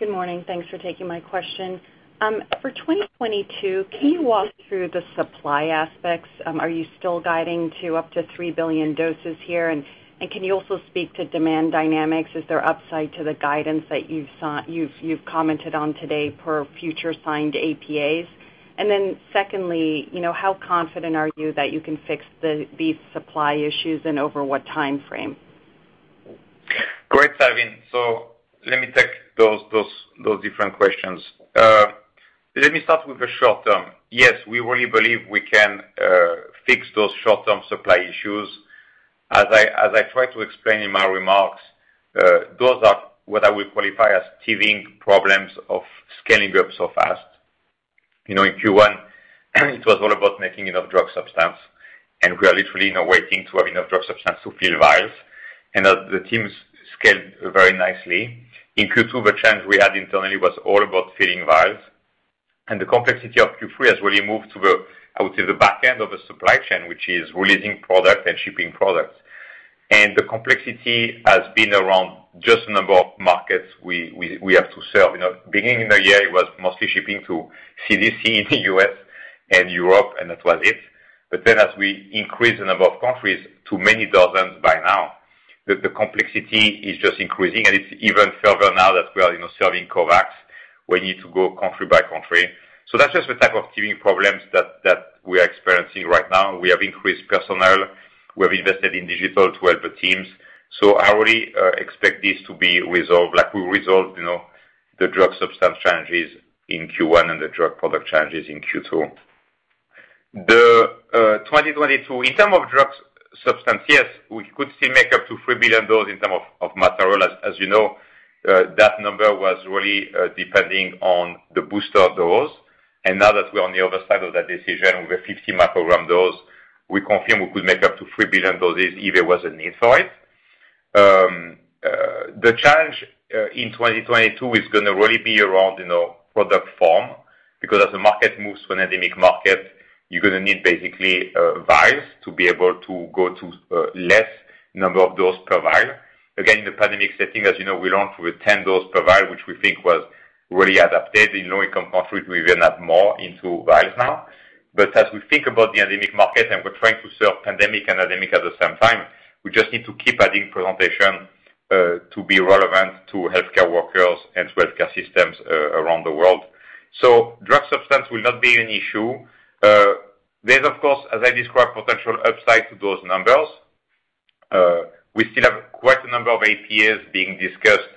Good morning. Thanks for taking my question. For 2022, can you walk through the supply aspects? Are you still guiding to up to 3 billion doses here? And can you also speak to demand dynamics? Is there upside to the guidance that you've commented on today per future signed APAs? And then secondly, you know, how confident are you that you can fix these supply issues and over what timeframe?
Great, Salveen. Let me take those different questions. Let me start with the short term. Yes, we really believe we can fix those short-term supply issues. As I tried to explain in my remarks, those are what I will qualify as teething problems of scaling up so fast. You know, in Q1, it was all about making enough drug substance, and we are literally now waiting to have enough drug substance to fill vials. The teams scaled very nicely. In Q2, the challenge we had internally was all about filling vials. The complexity of Q3 has really moved to the, I would say, the back end of the supply chain, which is releasing product and shipping products. The complexity has been around just the number of markets we have to serve. You know, beginning of the year, it was mostly shipping to CDC in the U.S. and Europe, and that was it. As we increased the number of countries to many dozens by now, the complexity is just increasing. It's even further now that we are, you know, serving COVAX. We need to go country by country. That's just the type of teething problems that we are experiencing right now. We have increased personnel. We have invested in digital to help the teams. I really expect this to be resolved like we resolved, you know, the drug substance challenges in Q1 and the drug product challenges in Q2. 2022, in terms of drug substance, yes, we could still make up to 3 billion dose in terms of material. You know, that number was really depending on the booster dose. Now that we're on the other side of that decision with the 50 microgram dose, we confirm we could make up to 3 billion doses if there was a need for it. The challenge in 2022 is gonna really be around, you know, product form, because as the market moves to an endemic market, you're gonna need basically vials to be able to go to less number of dose per vial. Again, in the pandemic setting, as you know, we launched with 10 dose per vial, which we think was really adapted. In low-income countries, we even add more into vials now. As we think about the endemic market, and we're trying to serve pandemic and endemic at the same time, we just need to keep adding presentation to be relevant to healthcare workers and to healthcare systems around the world. So drug substance will not be an issue. There's of course, as I described, potential upside to those numbers. We still have quite a number of APAs being discussed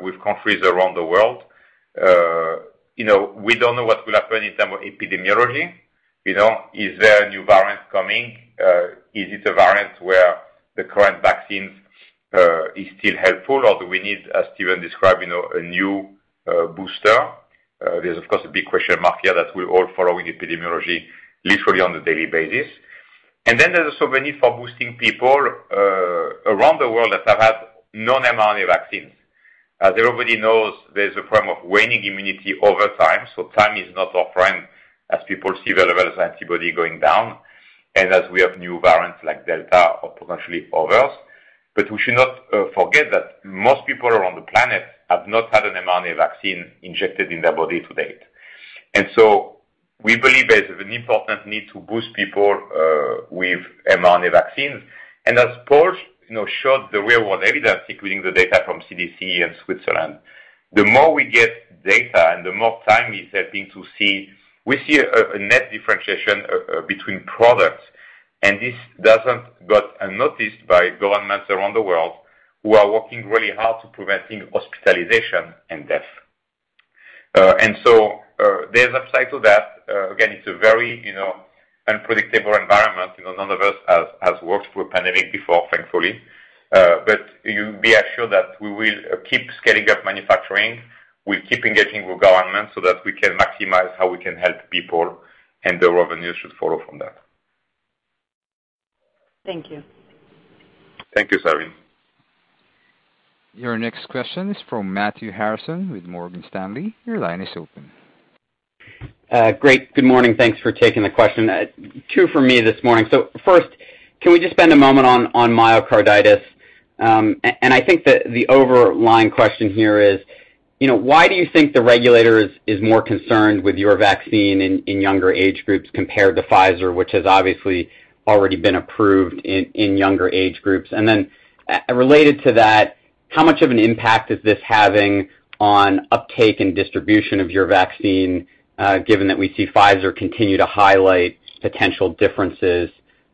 with countries around the world. You know, we don't know what will happen in term of epidemiology. You know, is there a new variant coming? Is it a variant where the current vaccines is still helpful, or do we need, as Stephen described, you know, a new booster? There's, of course, a big question mark here that we're all following epidemiology literally on a daily basis. There's also a need for boosting people around the world that have had known mRNA vaccines. As everybody knows, there's a problem of waning immunity over time, so time is not our friend as people see the levels of antibody going down and as we have new variants like Delta or potentially others. We should not forget that most people around the planet have not had an mRNA vaccine injected in their body to date. We believe there's an important need to boost people with mRNA vaccines. As Paul, you know, showed the real world evidence, including the data from CDC and Switzerland, the more we get data and the more time is helping to see, we see a net differentiation between products. This doesn't go unnoticed by governments around the world who are working really hard to preventing hospitalization and death. There's upside to that. Again, it's a very, you know, unpredictable environment. You know, none of us has worked through a pandemic before, thankfully. You be assured that we will keep scaling up manufacturing. We'll keep engaging with governments so that we can maximize how we can help people, and the revenue should follow from that.
Thank you.
Thank you, Salveen.
Your next question is from Matthew Harrison with Morgan Stanley. Your line is open.
Great. Good morning. Thanks for taking the question. Two for me this morning. First, can we just spend a moment on myocarditis? I think that the underlying question here is, you know, why do you think the regulator is more concerned with your vaccine in younger age groups compared to Pfizer, which has obviously already been approved in younger age groups? Then, related to that, how much of an impact is this having on uptake and distribution of your vaccine, given that we see Pfizer continue to highlight potential differences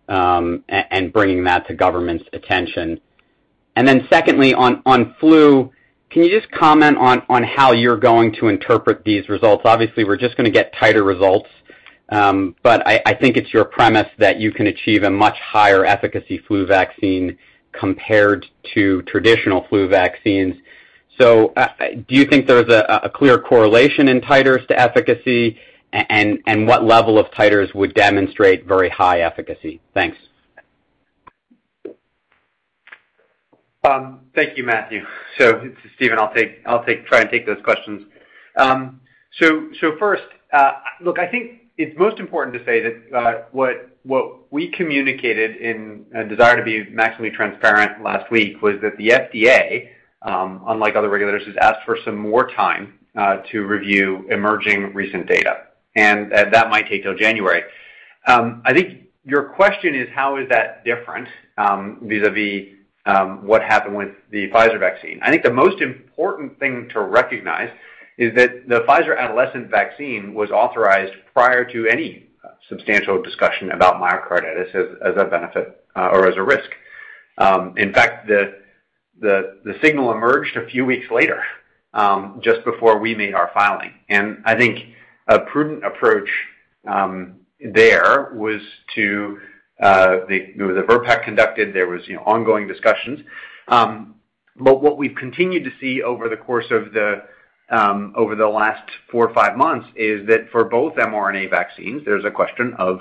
and bringing that to government's attention? Then secondly, on flu, can you just comment on how you're going to interpret these results? Obviously, we're just gonna get tighter results, but I think it's your premise that you can achieve a much higher efficacy flu vaccine compared to traditional flu vaccines. Do you think there's a clear correlation in titers to efficacy? And what level of titers would demonstrate very high efficacy? Thanks.
Thank you, Matthew. This is Stephen. I'll try and take those questions. First, look, I think it's most important to say that what we communicated in a desire to be maximally transparent last week was that the FDA, unlike other regulators, has asked for some more time to review emerging recent data, and that might take till January. I think your question is how is that different vis-a-vis what happened with the Pfizer vaccine. I think the most important thing to recognize is that the Pfizer adolescent vaccine was authorized prior to any substantial discussion about myocarditis as a benefit or as a risk. In fact, the signal emerged a few weeks later just before we made our filing. I think a prudent approach. You know, the VRBPAC conducted ongoing discussions. But what we've continued to see over the course of the over the last four or five months is that for both mRNA vaccines, there's a question of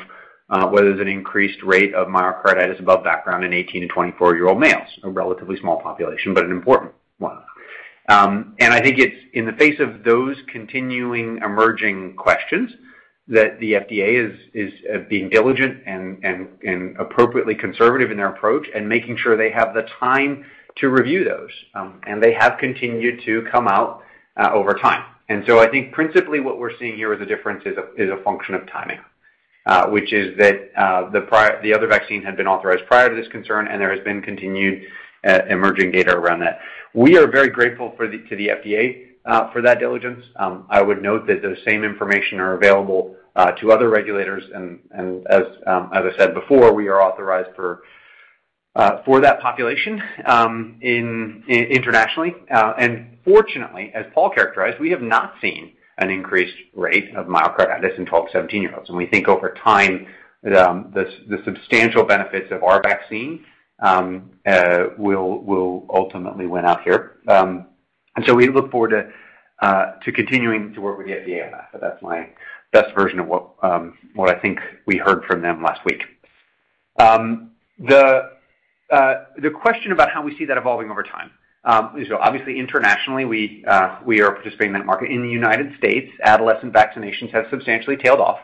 whether there's an increased rate of myocarditis above background in 18 to 24 year old males, a relatively small population, but an important one. I think it's in the face of those continuing emerging questions that the FDA is being diligent and appropriately conservative in their approach and making sure they have the time to review those. They have continued to come out over time. I think principally what we're seeing here is the difference is a function of timing, which is that the other vaccine had been authorized prior to this concern, and there has been continued emerging data around that. We are very grateful to the FDA for that diligence. I would note that those same information are available to other regulators. As I said before, we are authorized for that population in internationally. Fortunately, as Paul characterized, we have not seen an increased rate of myocarditis in 12-17-year-olds. We think over time, the substantial benefits of our vaccine will ultimately win out here. We look forward to continuing to work with the FDA on that. That's my best version of what I think we heard from them last week. The question about how we see that evolving over time. Obviously internationally, we are participating in that market. In the United States, adolescent vaccinations have substantially tailed off,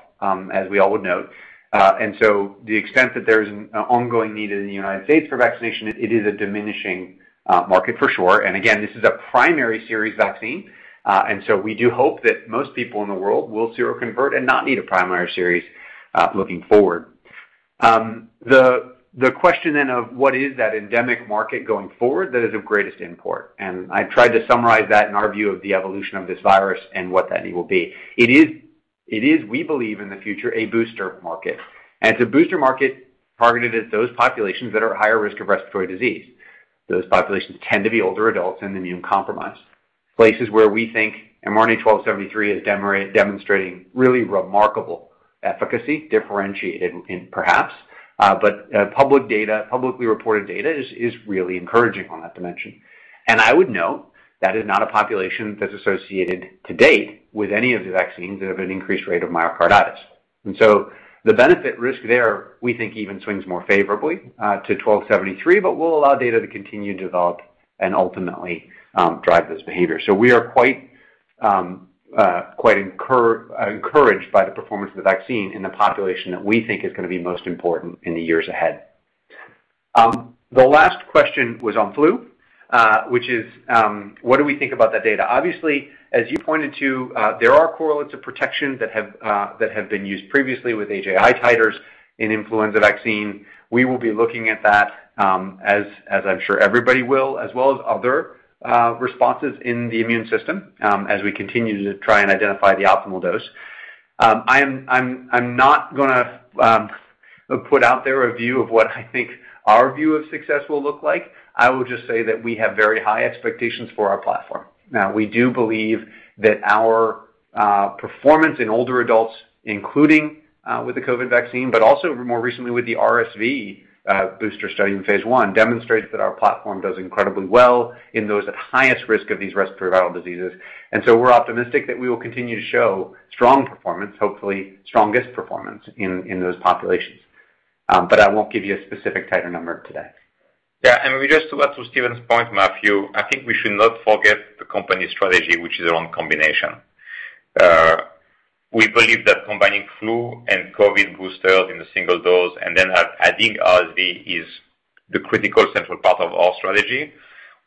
as we all would note. To the extent that there's an ongoing need in the United States for vaccination, it is a diminishing market for sure. Again, this is a primary series vaccine. We do hope that most people in the world will seroconvert and not need a primary series looking forward. The question then of what is that endemic market going forward, that is of greatest import. I've tried to summarize that in our view of the evolution of this virus and what that need will be. It is, we believe, in the future, a booster market. It's a booster market targeted at those populations that are at higher risk of respiratory disease. Those populations tend to be older adults and immunocompromised, places where we think mRNA-1273 is demonstrating really remarkable efficacy, differentiated in perhaps, but public data, publicly reported data is really encouraging on that dimension. I would note that is not a population that's associated to date with any of the vaccines that have an increased rate of myocarditis. The benefit risk there, we think even swings more favorably to mRNA-1273, but we'll allow data to continue to develop and ultimately drive this behavior. We are quite encouraged by the performance of the vaccine in the population that we think is gonna be most important in the years ahead. The last question was on flu, which is what do we think about that data? Obviously, as you pointed to, there are correlates of protection that have been used previously with HAI titers in influenza vaccine. We will be looking at that, as I'm sure everybody will, as well as other responses in the immune system, as we continue to try and identify the optimal dose. I'm not gonna put out there a view of what I think our view of success will look like. I will just say that we have very high expectations for our platform. Now, we do believe that our performance in older adults, including with the COVID vaccine, but also more recently with the RSV booster study in phase I, demonstrates that our platform does incredibly well in those at highest risk of these respiratory viral diseases. We're optimistic that we will continue to show strong performance, hopefully strongest performance in those populations. I won't give you a specific titer number today.
Yeah. Just to add to Stephen's point, Matthew, I think we should not forget the company strategy, which is around combination. We believe that combining flu and COVID boosters in a single dose and then adding RSV is the critical central part of our strategy.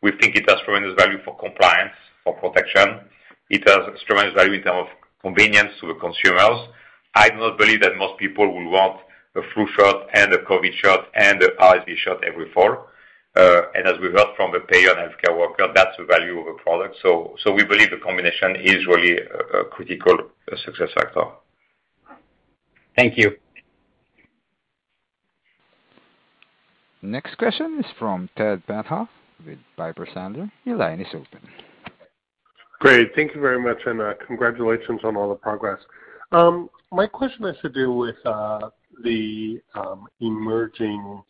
We think it has tremendous value for compliance, for protection. It has tremendous value in terms of convenience to the consumers. I do not believe that most people will want a flu shot and a COVID shot and a RSV shot every fall. As we heard from the payer and healthcare worker, that's the value of a product. So we believe the combination is really a critical success factor.
Thank you.
Next question is from Ted Tenthoff with Piper Sandler. Your line is open.
Great. Thank you very much, and congratulations on all the progress. My question has to do with the emerging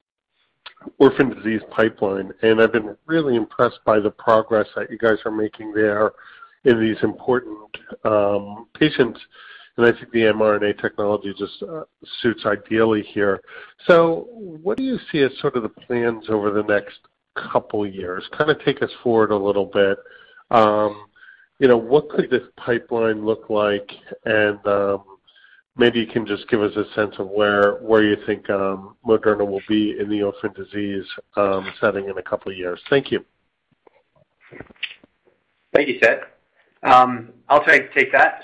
orphan disease pipeline, and I've been really impressed by the progress that you guys are making there in these important patients. I think the mRNA technology just suits ideally here. What do you see as sort of the plans over the next couple years? Kinda take us forward a little bit. You know, what could this pipeline look like? Maybe you can just give us a sense of where you think Moderna will be in the orphan disease setting in a couple of years. Thank you.
Thank you, Ted. I'll take that.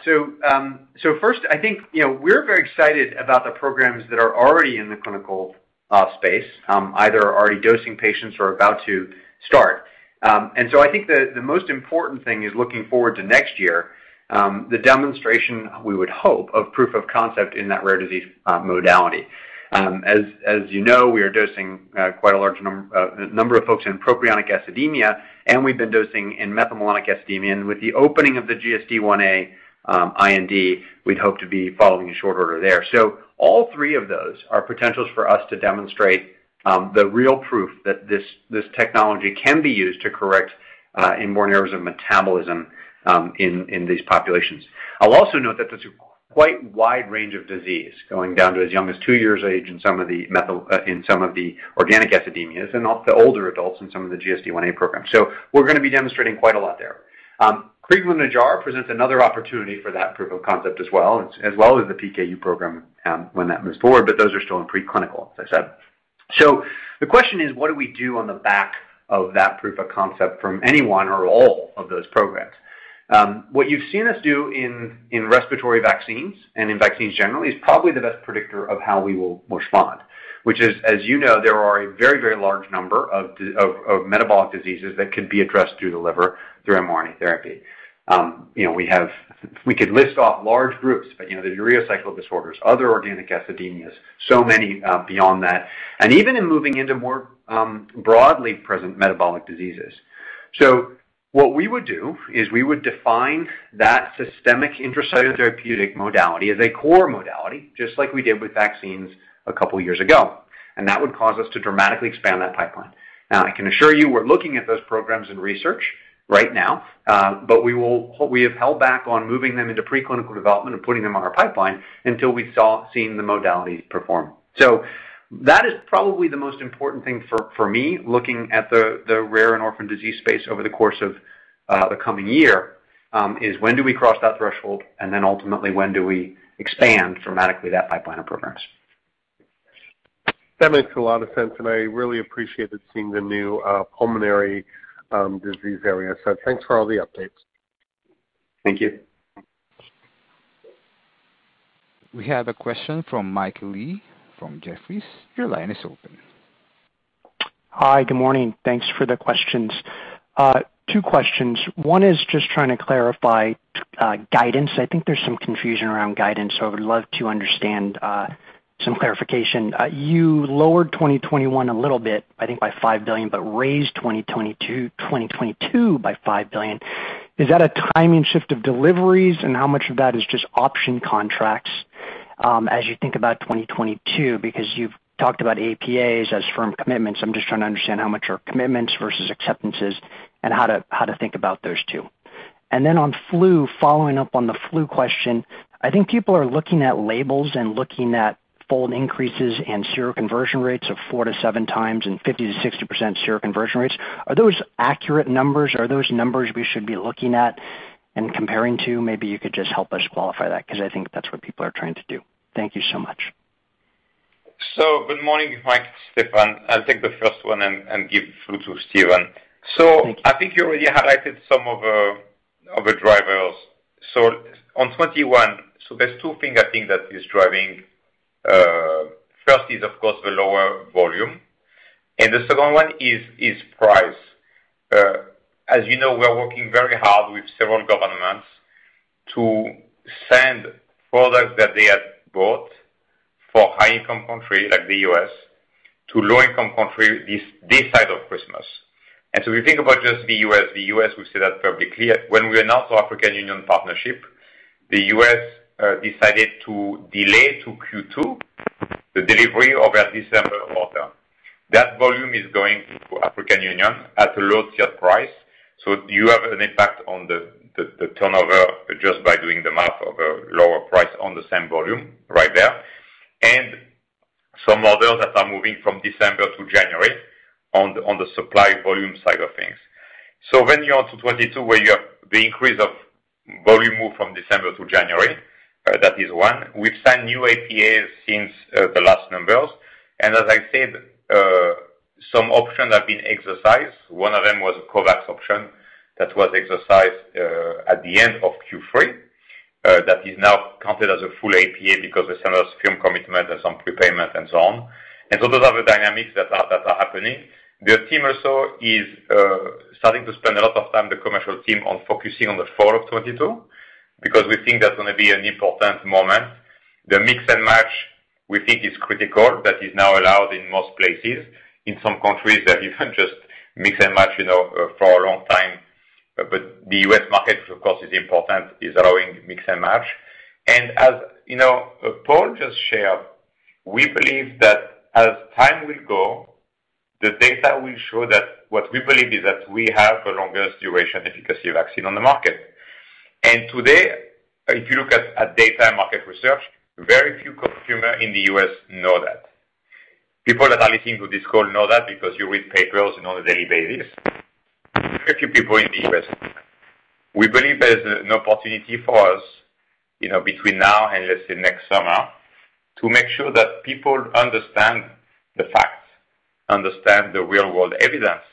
First, I think, you know, we're very excited about the programs that are already in the clinical space, either are already dosing patients or about to start. I think the most important thing is looking forward to next year, the demonstration, we would hope, of proof of concept in that rare disease modality. As you know, we are dosing quite a large number of folks in propionic acidemia, and we've been dosing in methylmalonic acidemia. With the opening of the GSD1a IND, we'd hope to be following in short order there. All three of those are potentials for us to demonstrate the real proof that this technology can be used to correct inborn errors of metabolism in these populations. I'll also note that there's a quite wide range of disease going down to as young as two years of age in some of the organic acidemias and the older adults in some of the GSD1a programs. We're gonna be demonstrating quite a lot there. Crigler-Najjar presents another opportunity for that proof of concept as well as the PKU program when that moves forward, but those are still in preclinical, as I said. The question is, what do we do on the back of that proof of concept from any one or all of those programs? What you've seen us do in respiratory vaccines and in vaccines generally is probably the best predictor of how we will respond, which is, as you know, there are a very, very large number of metabolic diseases that could be addressed through the liver through mRNA therapy. You know, we could list off large groups, you know, the urea cycle disorders, other organic acidemias, so many beyond that, and even in moving into more broadly present metabolic diseases. What we would do is we would define that systemic intracellular therapeutic modality as a core modality, just like we did with vaccines a couple years ago, and that would cause us to dramatically expand that pipeline. Now, I can assure you, we're looking at those programs in research right now, but we have held back on moving them into preclinical development and putting them on our pipeline until we seen the modalities perform. That is probably the most important thing for me, looking at the rare and orphan disease space over the course of the coming year, is when do we cross that threshold, and then ultimately, when do we expand dramatically that pipeline of programs.
That makes a lot of sense, and I really appreciated seeing the new pulmonary disease area. Thanks for all the updates.
Thank you.
We have a question from Michael Yee from Jefferies. Your line is open.
Hi. Good morning. Thanks for the questions. Two questions. One is just trying to clarify guidance. I think there's some confusion around guidance, so I would love to understand some clarification. You lowered 2021 a little bit, I think by $5 billion, but raised 2022 by $5 billion. Is that a timing shift of deliveries? And how much of that is just option contracts as you think about 2022? Because you've talked about APAs as firm commitments, I'm just trying to understand how much are commitments versus acceptances and how to think about those two. And then on flu, following up on the flu question, I think people are looking at labels and looking at fold increases and seroconversion rates of 47 times and 50%-60% seroconversion rates. Are those accurate numbers? Are those numbers we should be looking at and comparing to? Maybe you could just help us qualify that, 'cause I think that's what people are trying to do. Thank you so much.
Good morning, Mike, Stéphane. I'll take the first one and give flu to Stéphane.
Thank you.
I think you already highlighted some of the drivers. On 2021, there's two things I think that is driving. First is of course the lower volume, and the second one is price. As you know, we are working very hard with several governments to send products that they had bought for high income country like the U.S. to low income country this side of Christmas. We think about just the U.S. The U.S., we say that publicly. When we announced our African Union partnership, the U.S. decided to delay to Q2 the delivery of their December order. That volume is going to African Union at a low tier price. You have an impact on the turnover just by doing the math of a lower price on the same volume right there. Some orders that are moving from December to January on the supply volume side of things. When you're on to 2022, where you have the increase of volume move from December to January, that is one. We've signed new APAs since the last numbers. As I said, some options have been exercised. One of them was a COVAX option that was exercised at the end of Q3. That is now counted as a full APA because it's a firm commitment and some prepayment and so on. Those are the dynamics that are happening. The team also is starting to spend a lot of time, the commercial team, on focusing on the fall of 2022, because we think that's gonna be an important moment. The mix and match, we think is critical. That is now allowed in most places. In some countries they've even just mix and match, you know, for a long time. The U.S. market, of course, is important, is allowing mix and match. As you know, Paul just shared, we believe that as time will go, the data will show that what we believe is that we have the longest duration efficacy of vaccine on the market. Today, if you look at data market research, very few consumers in the U.S. know that. People that are listening to this call know that because you read papers on a daily basis. Very few people in the U.S. know. We believe there's an opportunity for us, you know, between now and let's say next summer, to make sure that people understand the facts, understand the real world evidence,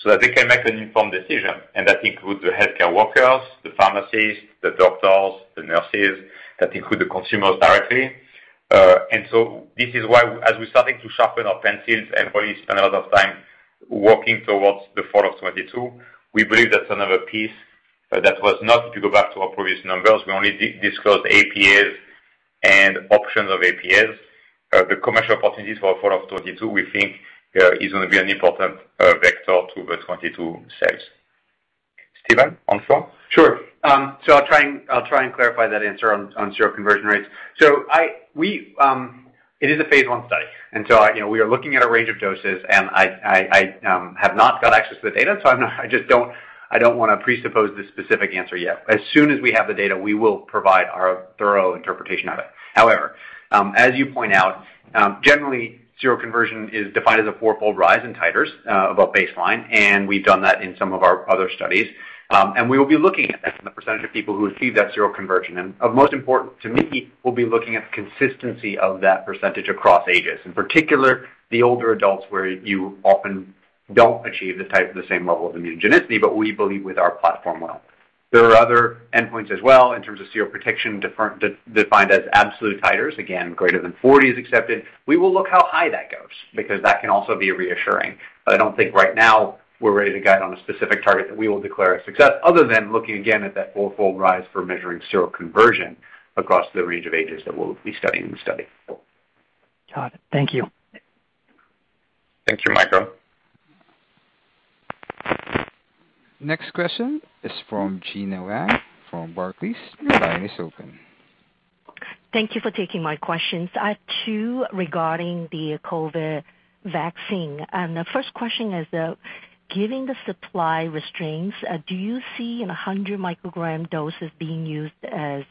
so that they can make an informed decision. That includes the healthcare workers, the pharmacists, the doctors, the nurses, that include the consumers directly. This is why as we're starting to sharpen our pencils and really spend a lot of time working towards the fall of 2022, we believe that's another piece that was not to go back to our previous numbers. We only disclosed APAs and options of APAs. The commercial opportunities for fall of 2022, we think, is gonna be an important vector to the 2022 sales. Stephen, on flu?
Sure. I'll try and clarify that answer on seroconversion rates. It is a phase I study. You know, we are looking at a range of doses, and I have not got access to the data, so I'm not. I just don't wanna presuppose the specific answer yet. As soon as we have the data, we will provide our thorough interpretation of it. However, as you point out, generally, seroconversion is defined as a fourfold rise in titers above baseline, and we've done that in some of our other studies. We will be looking at that, the percentage of people who achieve that seroconversion. Of most importance to me, we'll be looking at consistency of that percentage across ages, in particular, the older adults, where you often don't achieve the type of the same level of immunogenicity, but we believe with our platform we will. There are other endpoints as well in terms of seroprotection defined as absolute titers, again, greater than 40 is accepted. We will look how high that goes because that can also be reassuring. I don't think right now we're ready to guide on a specific target that we will declare a success other than looking again at that fourfold rise for measuring seroconversion across the range of ages that we'll be studying in the study.
Got it. Thank you.
Thank you, Mike.
Next question is from Gena Wang from Barclays. Your line is open.
Thank you for taking my questions. I have two regarding the COVID vaccine. The first question is, given the supply constraints, do you see 100 microgram doses being used as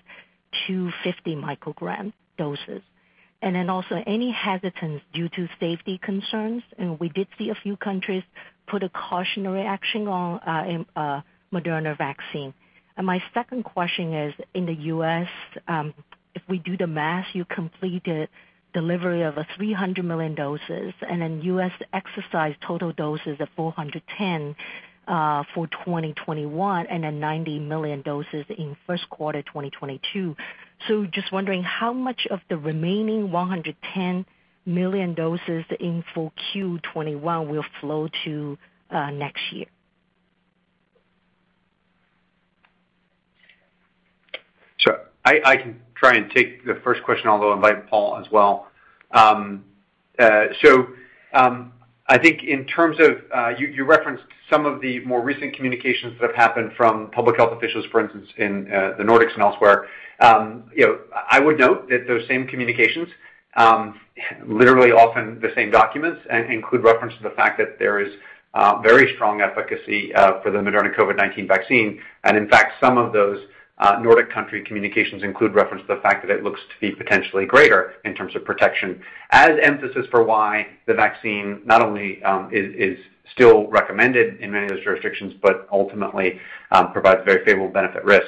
250 microgram doses? Then also any hesitance due to safety concerns? We did see a few countries put a cautionary action on the Moderna vaccine. My second question is, in the U.S., if we do the math, you completed delivery of 300 million doses, and then U.S. exercised total doses of 410 for 2021, and then 90 million doses in first quarter 2022. Just wondering how much of the remaining 110 million doses in 2021 will flow to next year?
I can try and take the first question, although I invite Paul as well. I think in terms of you referenced some of the more recent communications that have happened from public health officials, for instance, in the Nordics and elsewhere. You know, I would note that those same communications literally often the same documents and include reference to the fact that there is very strong efficacy for the Moderna COVID-19 vaccine. In fact, some of those Nordic country communications include reference to the fact that it looks to be potentially greater in terms of protection as emphasis for why the vaccine not only is still recommended in many of those jurisdictions, but ultimately provides very favorable benefit risk.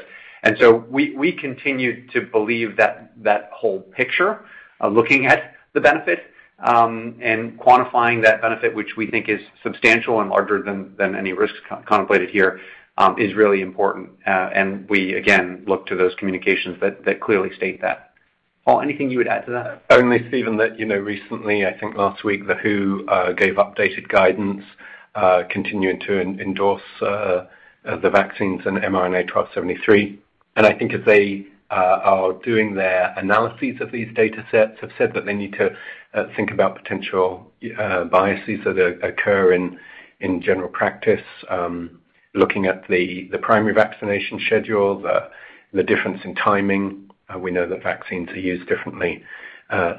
We continue to believe that whole picture of looking at the benefit and quantifying that benefit, which we think is substantial and larger than any risks contemplated here, is really important. We again look to those communications that clearly state that. Paul, anything you would add to that?
Only Stephen, that, you know, recently, I think last week, the WHO gave updated guidance, continuing to endorse the vaccines and mRNA-1273. I think as they are doing their analyses of these data sets, they have said that they need to think about potential biases that occur in general practice, looking at the primary vaccination schedule, the difference in timing. We know that vaccines are used differently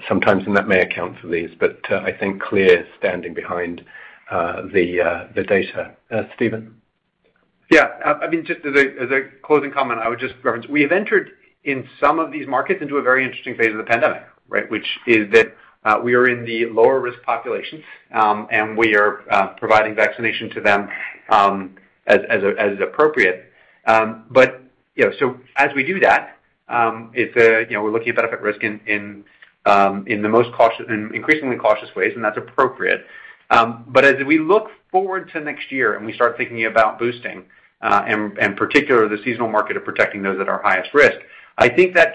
sometimes, and that may account for these. I think clearly standing behind the data. Stephen.
Yeah. I mean, just as a closing comment, I would just reference we have entered in some of these markets into a very interesting phase of the pandemic, right? Which is that we are in the lower risk populations and we are providing vaccination to them as appropriate. You know, so as we do that, you know, we're looking at benefit risk in increasingly cautious ways, and that's appropriate. As we look forward to next year and we start thinking about boosting and particularly the seasonal market of protecting those at our highest risk, I think that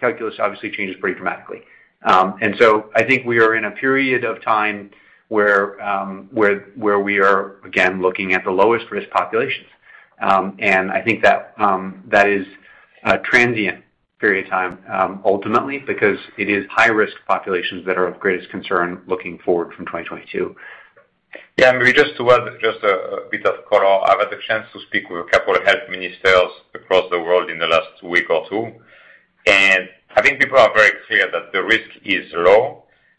calculus obviously changes pretty dramatically. I think we are in a period of time where we are again looking at the lowest risk populations. I think that is a transient period of time, ultimately because it is high risk populations that are of greatest concern looking forward from 2022.
Yeah. Maybe just to add a bit of color. I've had the chance to speak with a couple of health ministers across the world in the last week or two, and I think people are very clear that the risk is low,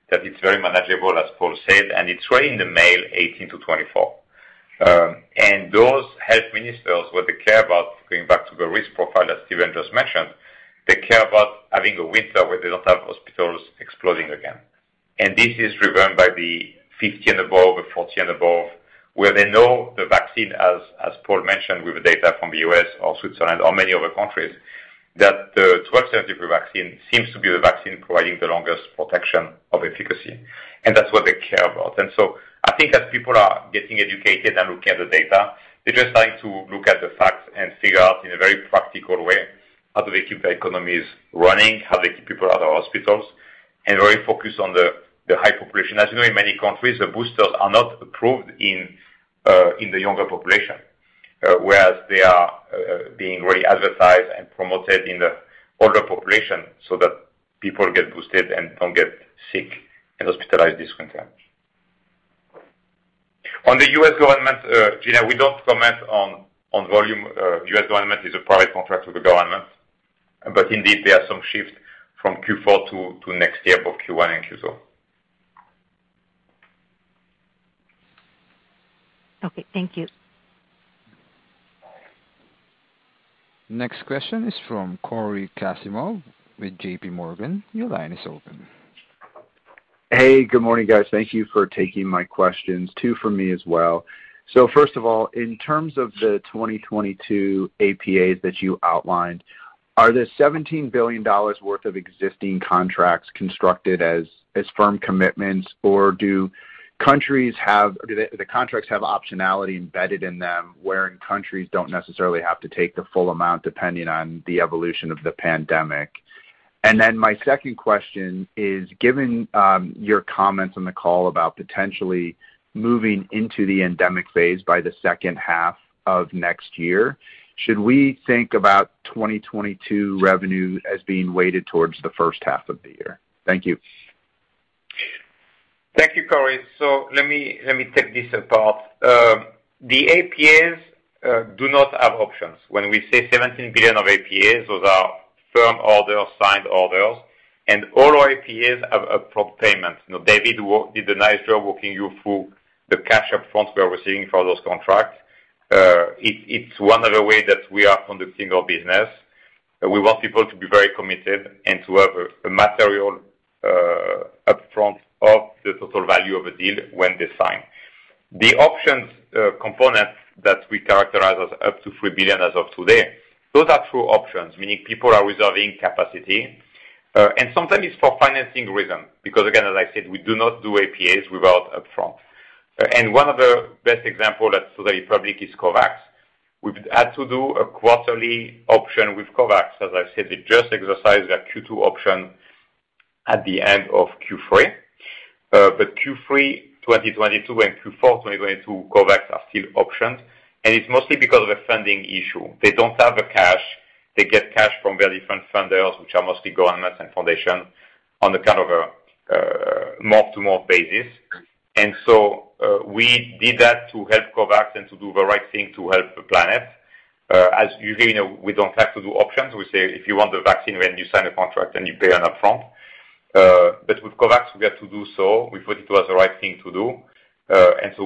that it's very manageable, as Paul said, and it's really in the male 18-24. Those health ministers, what they care about, going back to the risk profile that Stephen just mentioned, they care about having a winter where they don't have hospitals exploding again. This is driven by the 50 and above, or 40 and above, where they know the vaccine, as Paul mentioned, with the data from the U.S. or Switzerland or many other countries, that the 1273 vaccine seems to be the vaccine providing the longest protection of efficacy, and that's what they care about. I think as people are getting educated and looking at the data, they're just trying to look at the facts and figure out in a very practical way, how do they keep the economies running? How they keep people out of hospitals and really focus on the high population. As you know, in many countries, the boosters are not approved in the younger population, whereas they are being really advertised and promoted in the older population so that people get boosted and don't get sick and hospitalized this winter. On the U.S. government, Gina, we don't comment on volume. U.S. government is a private contract with the government. Indeed there are some shifts from Q4 to next year, both Q1 and Q2.
Okay, thank you.
Next question is from Cory Kasimov with JPMorgan. Your line is open.
Hey, good morning, guys. Thank you for taking my questions. Two for me as well. First of all, in terms of the 2022 APAs that you outlined, are the $17 billion worth of existing contracts constructed as firm commitments or do the contracts have optionality embedded in them, wherein countries don't necessarily have to take the full amount depending on the evolution of the pandemic? My second question is, given your comments on the call about potentially moving into the endemic phase by the second half of next year, should we think about 2022 revenue as being weighted towards the first half of the year? Thank you.
Thank you, Cory. Let me take this apart. The APAs do not have options. When we say $17 billion of APAs, those are firm orders, signed orders, and all our APAs have upfront payments. Now David did a nice job walking you through the cash up front we are receiving for those contracts. It's one of the ways that we are conducting our business. We want people to be very committed and to have a material up front of the total value of a deal when they sign. The options component that we characterize as up to $3 billion as of today, those are true options, meaning people are reserving capacity, and sometimes it's for financing reason, because again, as I said, we do not do APAs without upfront. One of the best example that's for the public is COVAX. We've had to do a quarterly option with COVAX. As I said, they just exercised their Q2 option at the end of Q3. But Q3 2022 and Q4 2022 COVAX are still options, and it's mostly because of a funding issue. They don't have the cash. They get cash from very different funders, which are mostly governments and foundation on a kind of a month to month basis. We did that to help COVAX and to do the right thing to help the planet. As you know, we don't have to do options. We say, if you want the vaccine when you sign a contract, then you pay an upfront. But with COVAX we have to do so. We thought it was the right thing to do.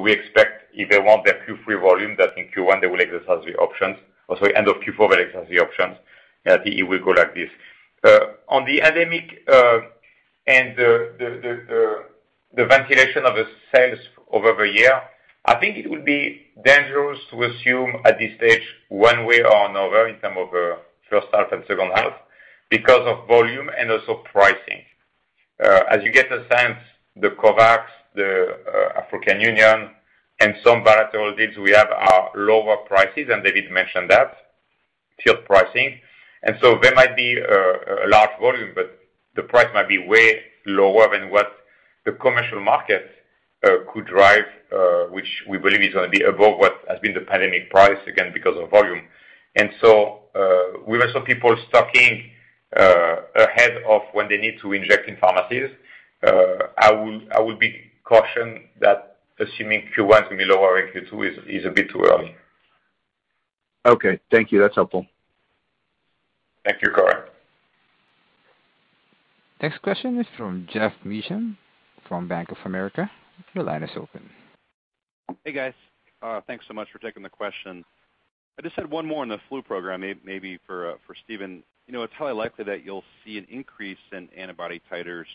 We expect if they want their Q3 volume, that in Q1 they will exercise the options. Oh sorry, end of Q4, they exercise the options. Yeah, it will go like this. On the endemic and the allocation of the sales over the year, I think it would be dangerous to assume at this stage one way or another in terms of first half and second half because of volume and also pricing. As you get a sense, the COVAX, the African Union and some bilateral deals we have are lower prices, and David mentioned that, tier pricing. There might be a large volume, but the price might be way lower than what the commercial market could drive, which we believe is gonna be above what has been the pandemic price, again, because of volume. We have some people stocking ahead of when they need to inject in pharmacies. I would be cautious that assuming Q1 to be lower in Q2 is a bit too early.
Okay, thank you. That's helpful.
Thank you, Cory.
Next question is from Geoff Meacham from Bank of America. Your line is open.
Hey, guys. Thanks so much for taking the question. I just had one more on the flu program, maybe for Stephen. You know, it's highly likely that you'll see an increase in antibody titers.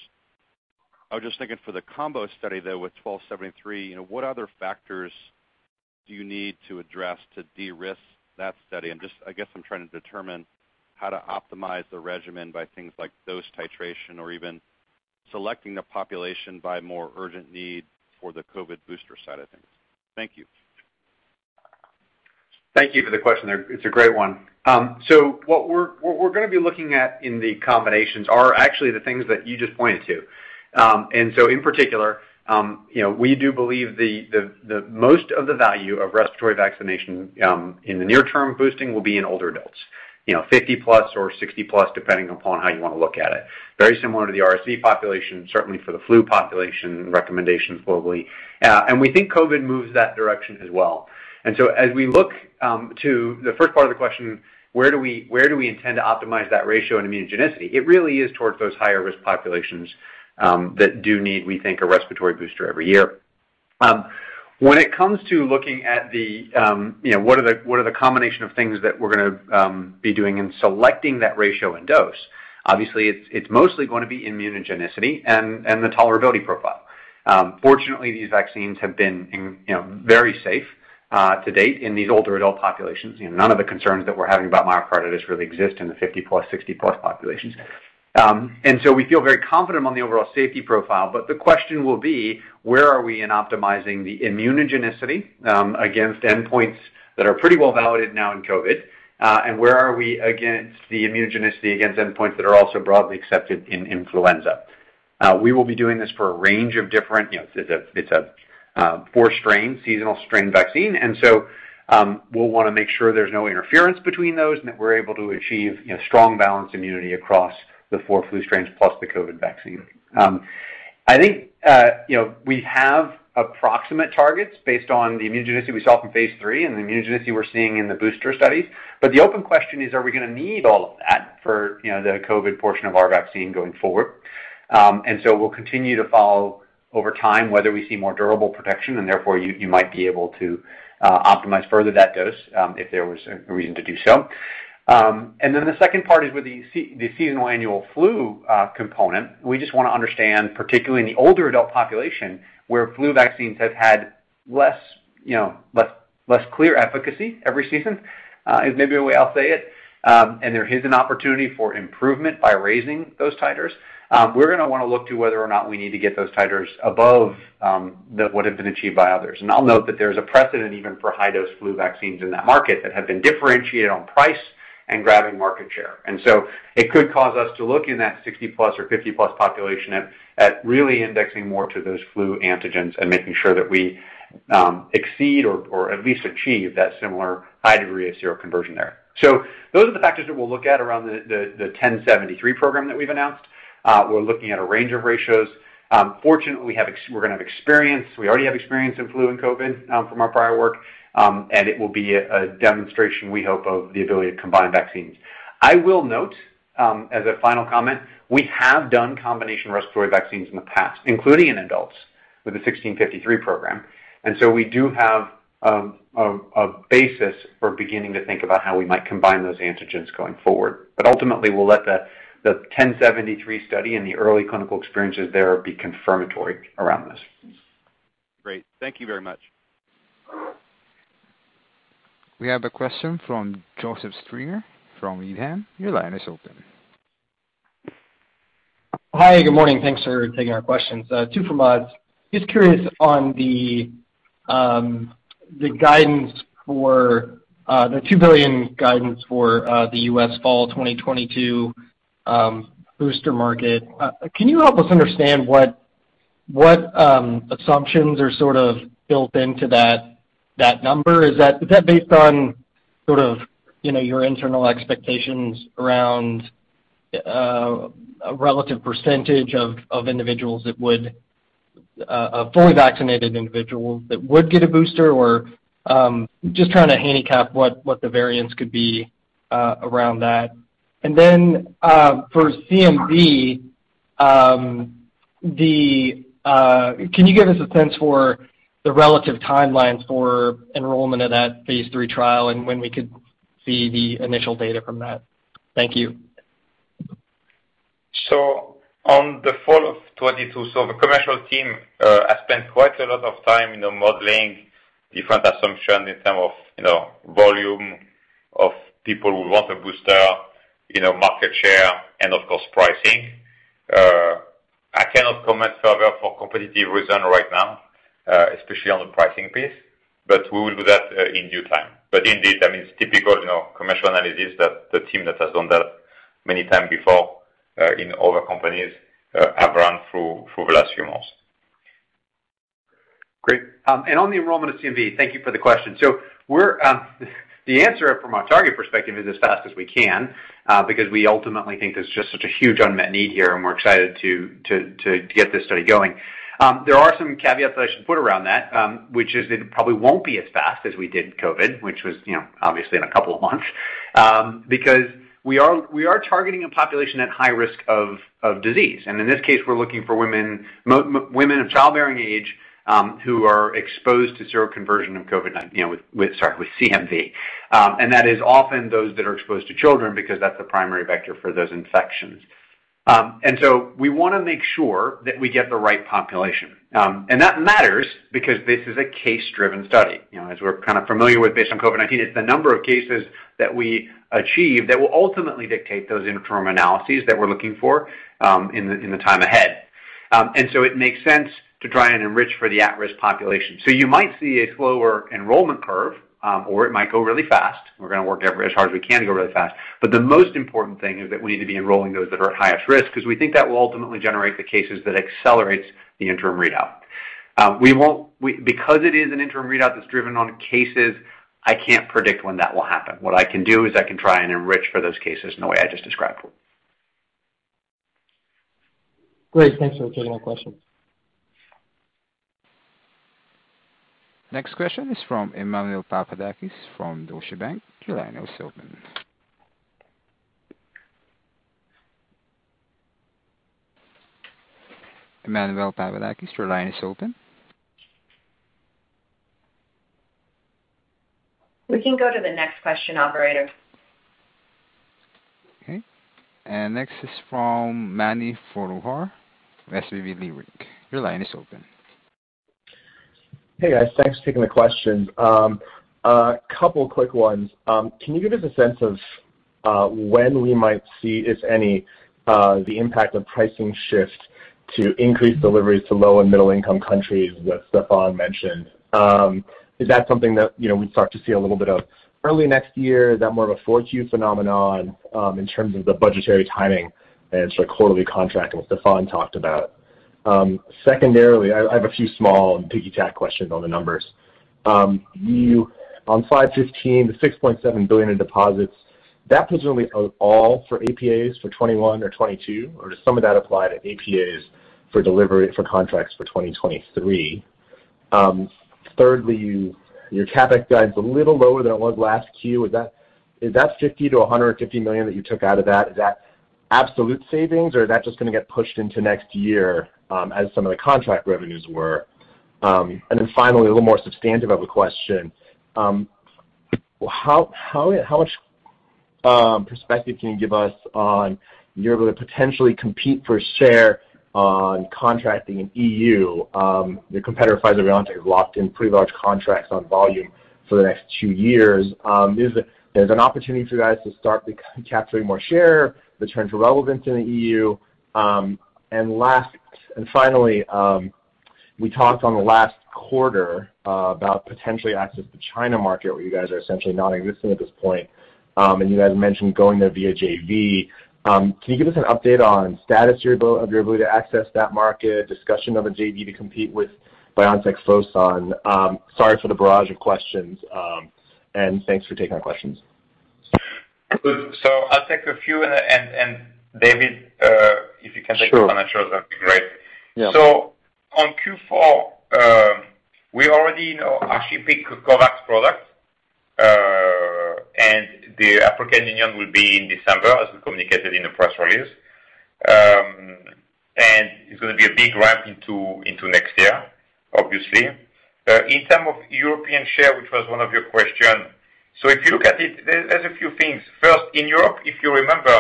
I was just thinking for the combo study, though, with 1273, you know, what other factors do you need to address to de-risk that study? I'm just, I guess, trying to determine how to optimize the regimen by things like dose titration or even selecting the population by more urgent need for the COVID booster side of things. Thank you.
Thank you for the question. It's a great one. So what we're gonna be looking at in the combinations are actually the things that you just pointed to. In particular, you know, we do believe the most of the value of respiratory vaccination in the near term boosting will be in older adults, you know, 50+ or 60+, depending upon how you wanna look at it. Very similar to the RSV population, certainly for the flu population recommendations globally. We think COVID moves that direction as well. As we look to the first part of the question, where do we intend to optimize that ratio and immunogenicity? It really is towards those higher risk populations that do need, we think, a respiratory booster every year. When it comes to looking at the, you know, what are the combination of things that we're gonna be doing in selecting that ratio and dose? Obviously, it's mostly gonna be immunogenicity and the tolerability profile. Fortunately, these vaccines have been, you know, very safe, to date in these older adult populations. You know, none of the concerns that we're having about myocarditis really exist in the 50+, 60+ populations. And so we feel very confident on the overall safety profile. The question will be, where are we in optimizing the immunogenicity against endpoints that are pretty well validated now in COVID, and where are we against the immunogenicity against endpoints that are also broadly accepted in influenza? We will be doing this for a range of different, you know, four-strain, seasonal strain vaccine. We'll wanna make sure there's no interference between those and that we're able to achieve, you know, strong balanced immunity across the four flu strains plus the COVID vaccine. I think, you know, we have approximate targets based on the immunogenicity we saw from phase III and the immunogenicity we're seeing in the booster studies. The open question is, are we gonna need all of that for, you know, the COVID portion of our vaccine going forward? We'll continue to follow over time whether we see more durable protection and therefore you might be able to optimize further that dose, if there was a reason to do so. The second part is with the seasonal annual flu component. We just wanna understand, particularly in the older adult population, where flu vaccines have had less, you know, clear efficacy every season, is maybe the way I'll say it. There is an opportunity for improvement by raising those titers. We're gonna wanna look to whether or not we need to get those titers above what have been achieved by others. I'll note that there's a precedent even for high-dose flu vaccines in that market that have been differentiated on price and grabbing market share. It could cause us to look in that 60+ or 50+ population at really indexing more to those flu antigens and making sure that we exceed or at least achieve that similar high degree of seroconversion there. Those are the factors that we'll look at around the 1073 program that we've announced. We're looking at a range of ratios. Fortunately, we're gonna have experience. We already have experience in flu and COVID from our prior work. It will be a demonstration, we hope, of the ability to combine vaccines. I will note, as a final comment, we have done combination respiratory vaccines in the past, including in adults with the 1653 program. We do have a basis for beginning to think about how we might combine those antigens going forward. Ultimately, we'll let the 1073 study and the early clinical experiences there be confirmatory around this.
Great. Thank you very much.
We have a question from Joseph Stringer from Needham. Your line is open.
Hi, good morning. Thanks for taking our questions. Two from us. Just curious on the guidance for the $2 billion guidance for the U.S. fall 2022 booster market. Can you help us understand what assumptions are sort of built into that number? Is that based on sort of, you know, your internal expectations around a relative percentage of fully vaccinated individuals that would get a booster? Or just trying to handicap what the variance could be around that. Then, for CMV, can you give us a sense for the relative timelines for enrollment of that phase III trial and when we could see the initial data from that? Thank you.
On the fall of 2022, the commercial team has spent quite a lot of time, you know, modeling different assumptions in terms of, you know, volume of people who want a booster, you know, market share and of course pricing. I cannot comment further for competitive reason right now, especially on the pricing piece, but we will do that, in due time. Indeed, I mean, it's typical, you know, commercial analysis that the team that has done that many times before, in other companies, have run through the last few months.
Great. On the enrollment of CMV, thank you for the question. We're the answer from our target perspective is as fast as we can because we ultimately think there's just such a huge unmet need here, and we're excited to get this study going. There are some caveats that I should put around that, which is that it probably won't be as fast as we did COVID, which was, you know, obviously in a couple of months. Because we are targeting a population at high risk of disease. In this case, we're looking for women of childbearing age who are exposed to seroconversion with CMV, you know. That is often those that are exposed to children because that's the primary vector for those infections. We wanna make sure that we get the right population. That matters because this is a case-driven study. You know, as we're kind of familiar with based on COVID-19, it's the number of cases that we achieve that will ultimately dictate those interim analyses that we're looking for, in the time ahead. It makes sense to try and enrich for the at-risk population. You might see a slower enrollment curve, or it might go really fast. We're gonna work as hard as we can to go really fast. The most important thing is that we need to be enrolling those that are at highest risk, 'cause we think that will ultimately generate the cases that accelerates the interim readout. Because it is an interim readout that's driven on cases, I can't predict when that will happen. What I can do is I can try and enrich for those cases in the way I just described.
Great. Thanks for taking my question.
Next question is from Emmanuel Papadakis from Deutsche Bank. Your line is open. Emmanuel Papadakis, your line is open.
We can go to the next question, operator.
Okay. Next is from Mani Foroohar, SVB Leerink. Your line is open.
Hey, guys. Thanks for taking the question. A couple quick ones. Can you give us a sense of when we might see, if any, the impact of pricing shifts to increase deliveries to low and middle income countries that Stéphane mentioned? Is that something that, you know, we'd start to see a little bit of early next year? Is that more of a 4Q phenomenon, in terms of the budgetary timing and sort of quarterly contract and what Stéphane talked about? Secondarily, I have a few small piggyback questions on the numbers. You on slide 15, the $6.7 billion in deposits, that was really all for APAs for 2021 or 2022, or does some of that apply to APAs for delivery, for contracts for 2023? Thirdly, your CapEx guide's a little lower than it was last Q. Is that $50 million-$150 million that you took out of that, is that absolute savings or is that just gonna get pushed into next year, as some of the contract revenues were? Finally, a little more substantive of a question. How much perspective can you give us on your ability to potentially compete for share on contracting in EU? Your competitor Pfizer-BioNTech have locked in pretty large contracts on volume for the next two years. Is there an opportunity for you guys to start capturing more share, return to relevance in the EU? Last and finally, we talked on the last quarter about potential access to China market where you guys are essentially non-existent at this point. You guys mentioned going there via JV. Can you give us an update on status of your ability to access that market, discussion of a JV to compete with BioNTech-Fosun? Sorry for the barrage of questions. Thanks for taking our questions.
I'll take a few and David, if you can take-
Sure.
The financial, that'd be great. Yeah. On Q4, we already know, actually, ship COVAX products. And the African Union will be in December, as we communicated in the press release. And it's gonna be a big ramp into next year, obviously. In terms of European share, which was one of your questions, if you look at it, there's a few things. First, in Europe, if you remember,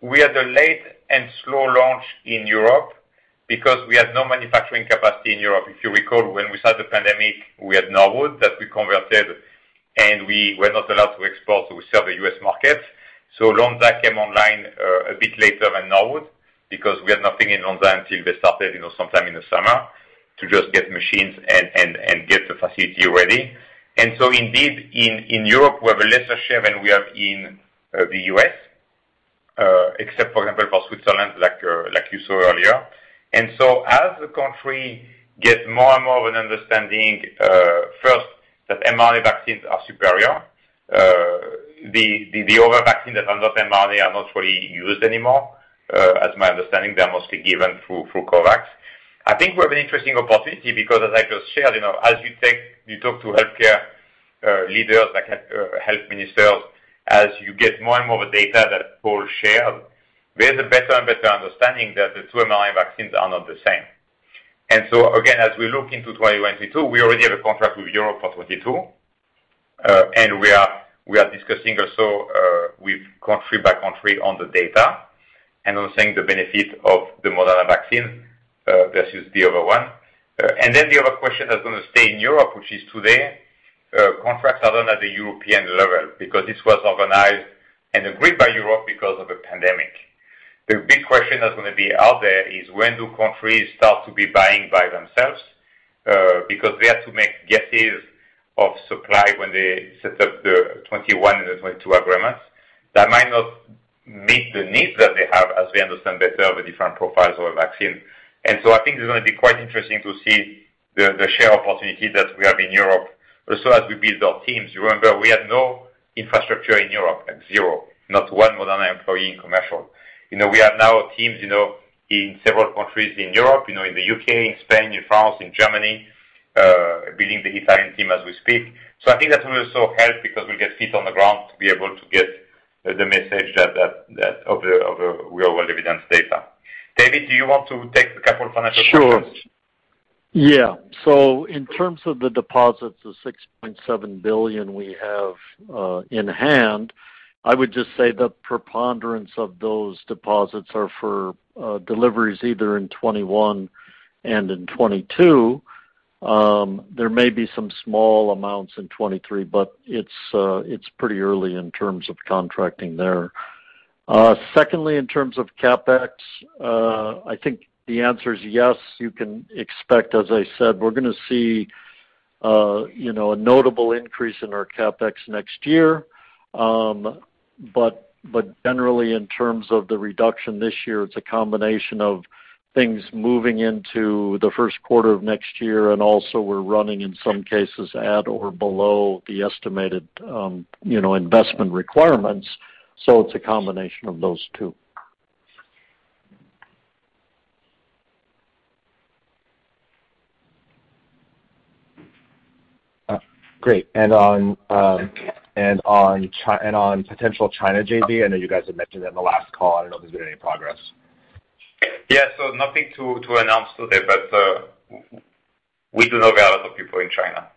we had a late and slow launch in Europe because we had no manufacturing capacity in Europe. If you recall, when we started the pandemic, we had Norwood that we converted, and we were not allowed to export, so we sold to the U.S. market. Lonza came online a bit later than Norwood because we had nothing in Lonza until they started, you know, sometime in the summer to just get machines and get the facility ready. Indeed, in Europe, we have a lesser share than we have in the U.S., except, for example, for Switzerland, like you saw earlier. As the country gets more and more of an understanding, first, that mRNA vaccines are superior, the other vaccines that are not mRNA are not really used anymore. As my understanding, they're mostly given through COVAX. I think we have an interesting opportunity because as I just shared, you know, as you talk to healthcare leaders like health ministers, as you get more and more of the data that Paul shared, we have a better and better understanding that the two mRNA vaccines are not the same. Again, as we look into 2022, we already have a contract with Europe for 2022. We are discussing also with country by country on the data and on seeing the benefit of the Moderna vaccine versus the other one. The other question that's gonna stay in Europe, which is today, contracts are done at the European level because this was organized and agreed by Europe because of the pandemic. The big question that's gonna be out there is when do countries start to be buying by themselves? Because they had to make guesses of supply when they set up the 2021 and the 2022 agreements. That might not meet the needs that they have as we understand better the different profiles of the vaccine. I think it's gonna be quite interesting to see the share opportunities that we have in Europe. As we build our teams, you remember we had no infrastructure in Europe, like zero, not one Moderna employee in commercial. You know, we have now teams, you know, in several countries in Europe, you know, in the U.K., in Spain, in France, in Germany, building the Italian team as we speak. I think that will also help because we get feet on the ground to be able to get the message that of the real-world evidence data. David, do you want to take the couple of financial questions?
Sure. Yeah. In terms of the deposits, the $6.7 billion we have in hand, I would just say the preponderance of those deposits are for deliveries either in 2021 and in 2022. There may be some small amounts in 2023, but it's pretty early in terms of contracting there. Secondly, in terms of CapEx, I think the answer is yes. You can expect, as I said, we're gonna see, you know, a notable increase in our CapEx next year. But generally in terms of the reduction this year, it's a combination of things moving into the first quarter of next year, and also we're running, in some cases, at or below the estimated investment requirements, you know. It's a combination of those two.
Great. On potential China JV, I know you guys have mentioned it in the last call. I don't know if there's been any progress.
Yeah, nothing to announce today, but we do know we have other people in China.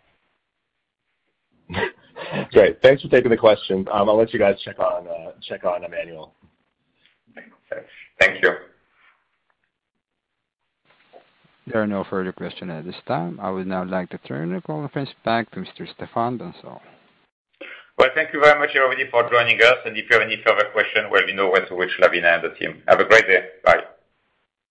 Great. Thanks for taking the questions. I'll let you guys check on Emmanuel.
Thanks. Thank you.
There are no further questions at this time. I would now like to turn the call first back to Mr. Stéphane Bancel.
Well, thank you very much everybody for joining us, and if you have any further question, well, you know where to reach Lavina and the team. Have a great day. Bye.